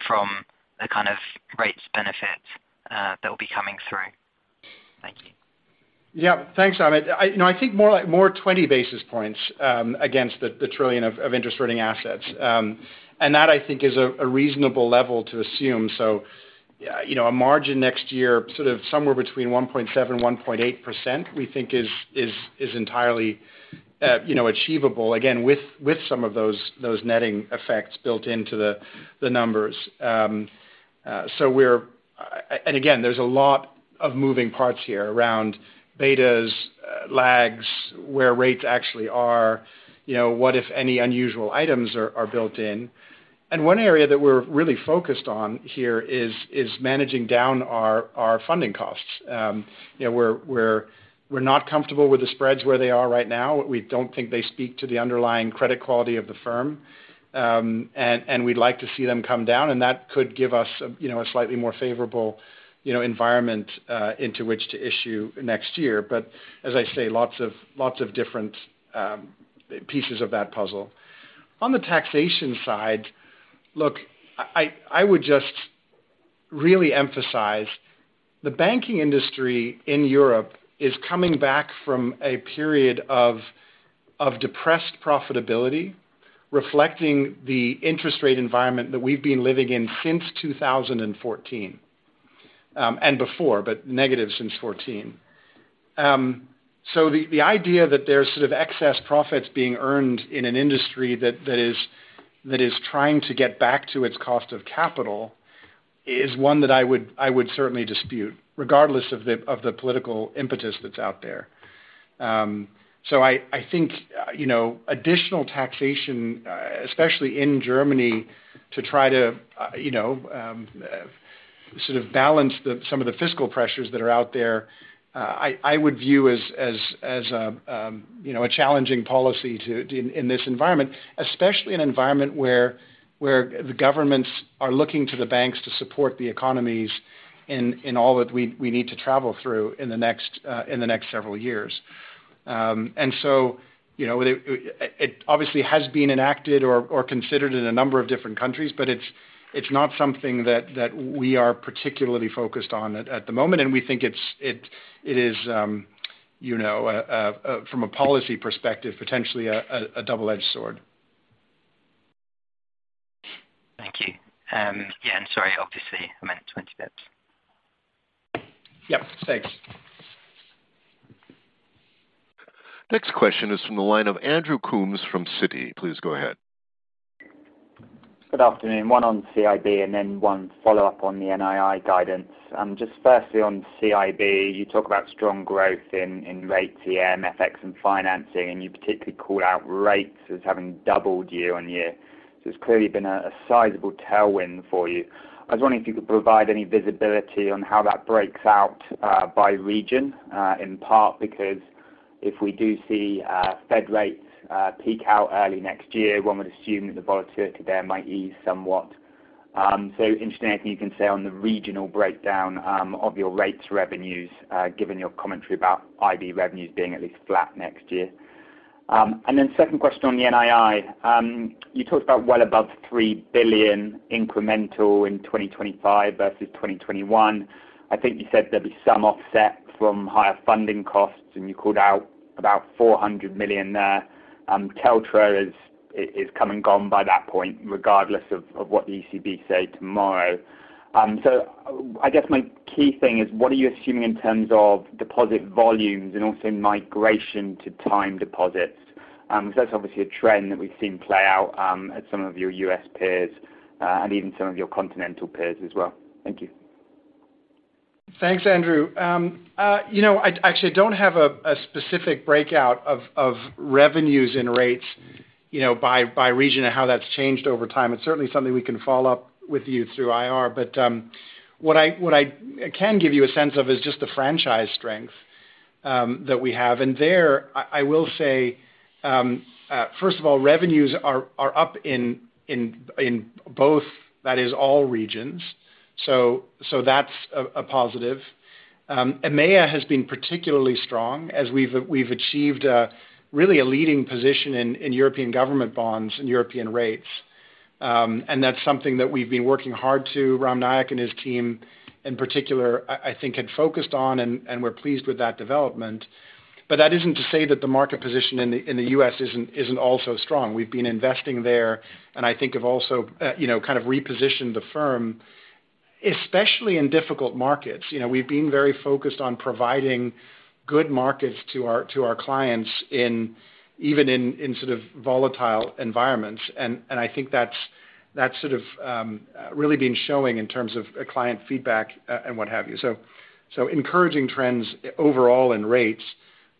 from the kind of rates benefit that will be coming through? Thank you. Yeah. Thanks, Amit. You know, I think more like 20 basis points against the trillion of interest earning assets. I think that is a reasonable level to assume. You know, a margin next year, sort of somewhere between 1.7%-1.8%, we think is entirely achievable, again, with some of those netting effects built into the numbers. We're not comfortable with the spreads where they are right now. Again, there's a lot of moving parts here around betas, lags, where rates actually are. You know, what if any unusual items are built in. One area that we're really focused on here is managing down our funding costs. You know, we're not comfortable with the spreads where they are right now. We don't think they speak to the underlying credit quality of the firm. We'd like to see them come down, and that could give us, you know, a slightly more favorable, you know, environment into which to issue next year. As I say, lots of different pieces of that puzzle. On the taxation side, look, I would just really emphasize the banking industry in Europe is coming back from a period of depressed profitability, reflecting the interest rate environment that we've been living in since 2014, and before, but negative since 2014. The idea that there's sort of excess profits being earned in an industry that is trying to get back to its cost of capital is one that I would certainly dispute, regardless of the political impetus that's out there. I think, you know, additional taxation, especially in Germany, to try to, you know, sort of balance some of the fiscal pressures that are out there, I would view as, you know, a challenging policy to in this environment. Especially in an environment where the governments are looking to the banks to support the economies in all that we need to travel through in the next several years. You know, it obviously has been enacted or considered in a number of different countries, but it's not something that we are particularly focused on at the moment. We think it is from a policy perspective, potentially a double-edged sword. Thank you. Yeah, and sorry, obviously, I meant 20 basis points. Yep. Thanks. Next question is from the line of Andrew Coombs from Citi. Please go ahead. Good afternoon. One on CIB and then one follow-up on the NII guidance. Just firstly, on CIB, you talk about strong growth in rates, EM, FX, and financing, and you particularly called out rates as having doubled quarter-over-quarter. It's clearly been a sizable tailwind for you. I was wondering if you could provide any visibility on how that breaks out by region, in part because if we do see Fed rates peak out early next year, one would assume that the volatility there might ease somewhat. Interested if you can say on the regional breakdown of your rates revenues, given your commentary about IB revenues being at least flat next year. Then second question on the NII. You talked about well above 3 billion incremental in 2025 versus 2021. I think you said there'd be some offset from higher funding costs, and you called out about 400 million there. TLTRO is come and gone by that point, regardless of what the ECB say tomorrow. I guess my key thing is what are you assuming in terms of deposit volumes and also migration to time deposits? That's obviously a trend that we've seen play out at some of your U.S. peers and even some of your continental peers as well. Thank you. Thanks, Andrew. You know, I actually don't have a specific breakout of revenues in rates, you know, by region and how that's changed over time. It's certainly something we can follow-up with you through IR. What I can give you a sense of is just the franchise strength that we have. There I will say, first of all, revenues are up in both, that is all regions. That's a positive. EMEA has been particularly strong as we've achieved really a leading position in European government bonds and European rates. That's something that we've been working hard to. Ram Nayak and his team in particular, I think had focused on, and we're pleased with that development. That isn't to say that the market position in the U.S. isn't also strong. We've been investing there, and I think have also you know kind of repositioned the firm, especially in difficult markets. You know, we've been very focused on providing good markets to our clients in even sort of volatile environments. I think that's sort of really been showing in terms of client feedback and what have you. Encouraging trends overall in rates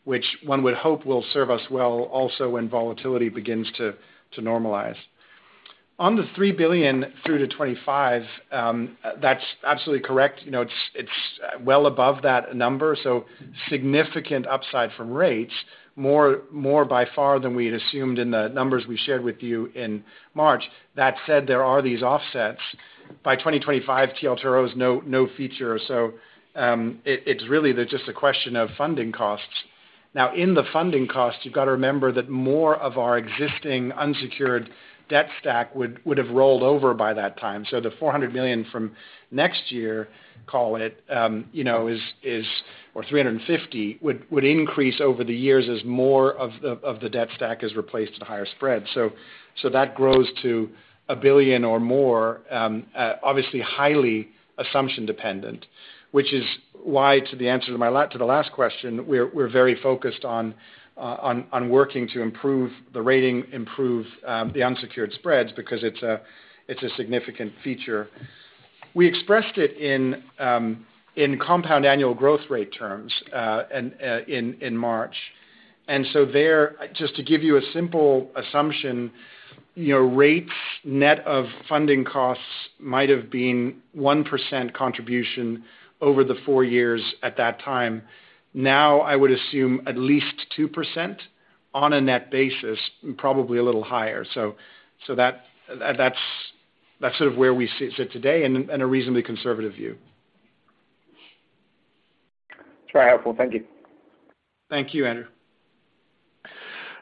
which one would hope will serve us well also when volatility begins to normalize. On the 3 billion through to 2025, that's absolutely correct. You know, it's well above that number, so significant upside from rates, more by far than we had assumed in the numbers we shared with you in March. That said, there are these offsets. By 2025, TLTRO is no feature. It's really just a question of funding costs. Now, in the funding costs, you've got to remember that more of our existing unsecured debt stack would have rolled over by that time. So the 400 million from next year, call it, you know, is or 350 would increase over the years as more of the debt stack is replaced at a higher spread. So that grows to 1 billion or more, obviously highly assumption dependent, which is why, to the answer to the last question, we're very focused on working to improve the rating, improve the unsecured spreads because it's a significant feature. We expressed it in compound annual growth rate terms in March. There, just to give you a simple assumption, you know, rates net of funding costs might have been 1% contribution over the four years at that time. Now, I would assume at least 2% on a net basis, probably a little higher. That's sort of where we sit today and a reasonably conservative view. It's very helpful. Thank you. Thank you, Andrew.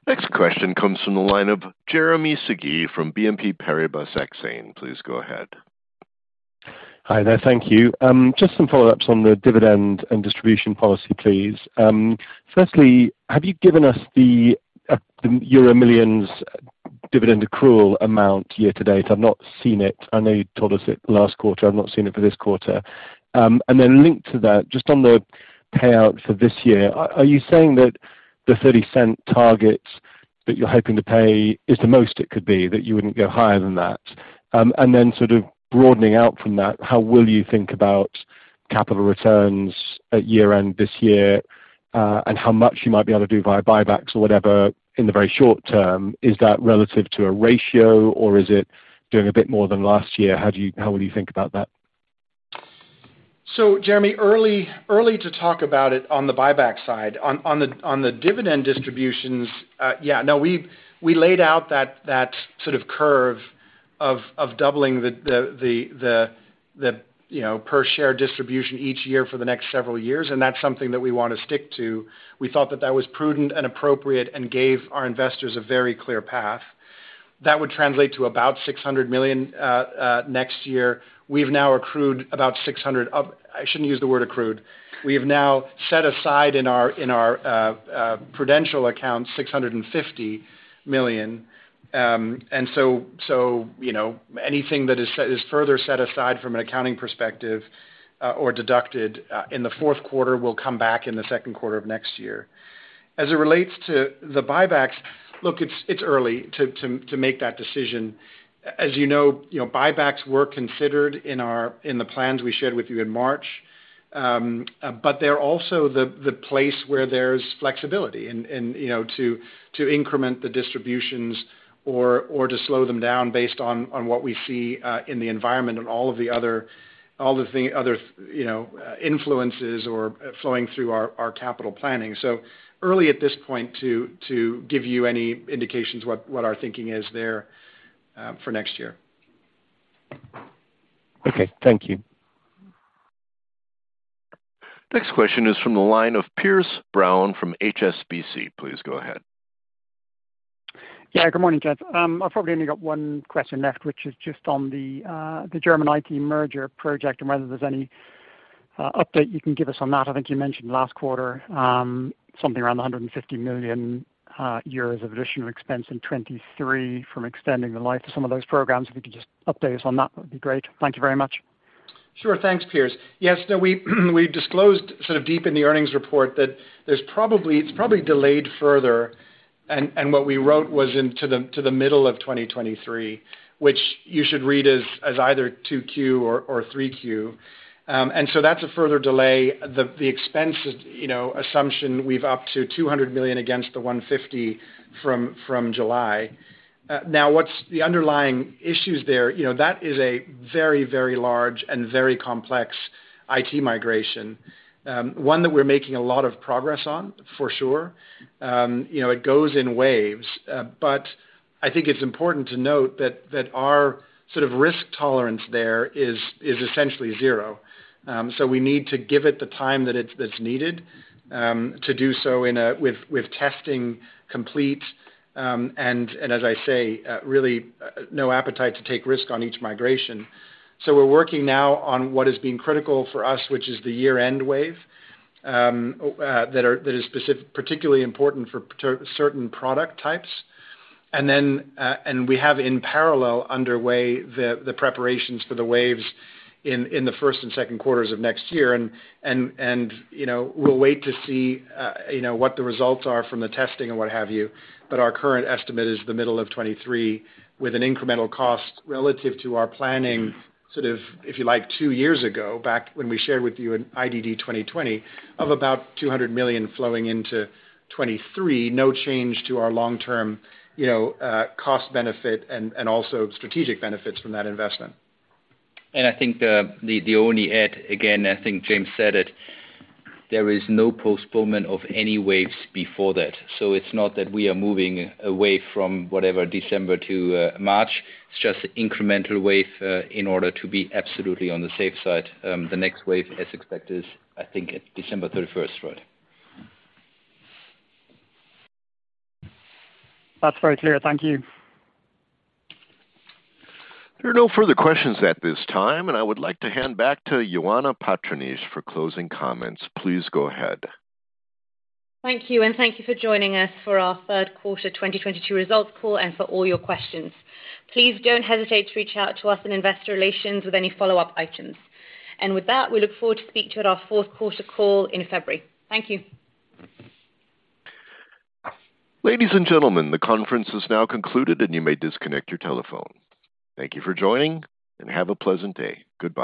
Next question comes from the line of Jeremy Sigee from BNP Paribas Exane. Please go ahead. Hi there. Thank you. Just some follow-ups on the dividend and distribution policy, please. Firstly, have you given us the euro millions dividend accrual amount year to date? I've not seen it. I know you told us it last quarter. I've not seen it for this quarter. Linked to that, just on the payout for this year, are you saying that the 0.30 target that you're hoping to pay is the most it could be, that you wouldn't go higher than that? Sort of broadening out from that, how will you think about capital returns at year-end this year, and how much you might be able to do via buybacks or whatever in the very short term? Is that relative to a ratio or is it doing a bit more than last year? How will you think about that? Jeremy, early to talk about it on the buyback side. On the dividend distributions, we laid out that sort of curve of doubling the, you know, per share distribution each year for the next several years, and that's something that we want to stick to. We thought that was prudent and appropriate and gave our investors a very clear path. That would translate to about 600 million next year. We've now accrued about six hundred of. I shouldn't use the word accrued. We have now set aside in our Prudential account 650 million. You know, anything that is further set aside from an accounting perspective, or deducted, in the Q4 will come back in the Q2 of next year. As it relates to the buybacks, look, it's early to make that decision. As you know, buybacks were considered in the plans we shared with you in March. But they're also the place where there's flexibility and, you know, to increment the distributions or to slow them down based on what we see in the environment and all the other, you know, influences flowing through our capital planning. Early at this point to give you any indications what our thinking is there, for next year. Okay, thank you. Next question is from the line of Piers Brown from HSBC. Please go ahead. Yeah, good morning, gents. I've probably only got one question left, which is just on the German IT merger project and whether there's any update you can give us on that. I think you mentioned last quarter something around 150 million euros of additional expense in 2023 from extending the life of some of those programs. If you could just update us on that'd be great. Thank you very much. Sure. Thanks, Piers. Yes, we disclosed sort of deep in the earnings report that there's probably delayed further and what we wrote was into the middle of 2023, which you should read as either 2Q or 3Q. That's a further delay. The expense, you know, assumption we've upped to 200 million against the 150 million from July. Now what's the underlying issues there? You know, that is a very large and very complex IT migration. One that we're making a lot of progress on, for sure. You know, it goes in waves. I think it's important to note that our sort of risk tolerance there is essentially zero. We need to give it the time that's needed to do so with testing complete, and as I say, really no appetite to take risk on each migration. We're working now on what is being critical for us, which is the year-end wave that is particularly important for certain product types. Then we have in parallel underway the preparations for the waves in the first and Q2s of next year. You know, we'll wait to see, you know, what the results are from the testing and what have you. Our current estimate is the middle of 2023, with an incremental cost relative to our planning, sort of, if you like, two years ago, back when we shared with you in IDD 2020, of about 200 million flowing into 2023. No change to our long-term, you know, cost benefit and also strategic benefits from that investment. I think the only add, again, I think James von Moltke said it, there is no postponement of any waves before that. It's not that we are moving a wave from whatever December to March, it's just incremental wave in order to be absolutely on the safe side. The next wave as expected I think December 31. Right. That's very clear. Thank you. There are no further questions at this time, and I would like to hand back to Ioana Patriniche for closing comments. Please go ahead. Thank you. Thank you for joining us for our Q3 2022 results call and for all your questions. Please don't hesitate to reach out to us in Investor Relations with any follow-up items. With that, we look forward to speak to you at our Q4 call in February. Thank you. Ladies and gentlemen, the conference is now concluded, and you may disconnect your telephone. Thank you for joining, and have a pleasant day. Goodbye.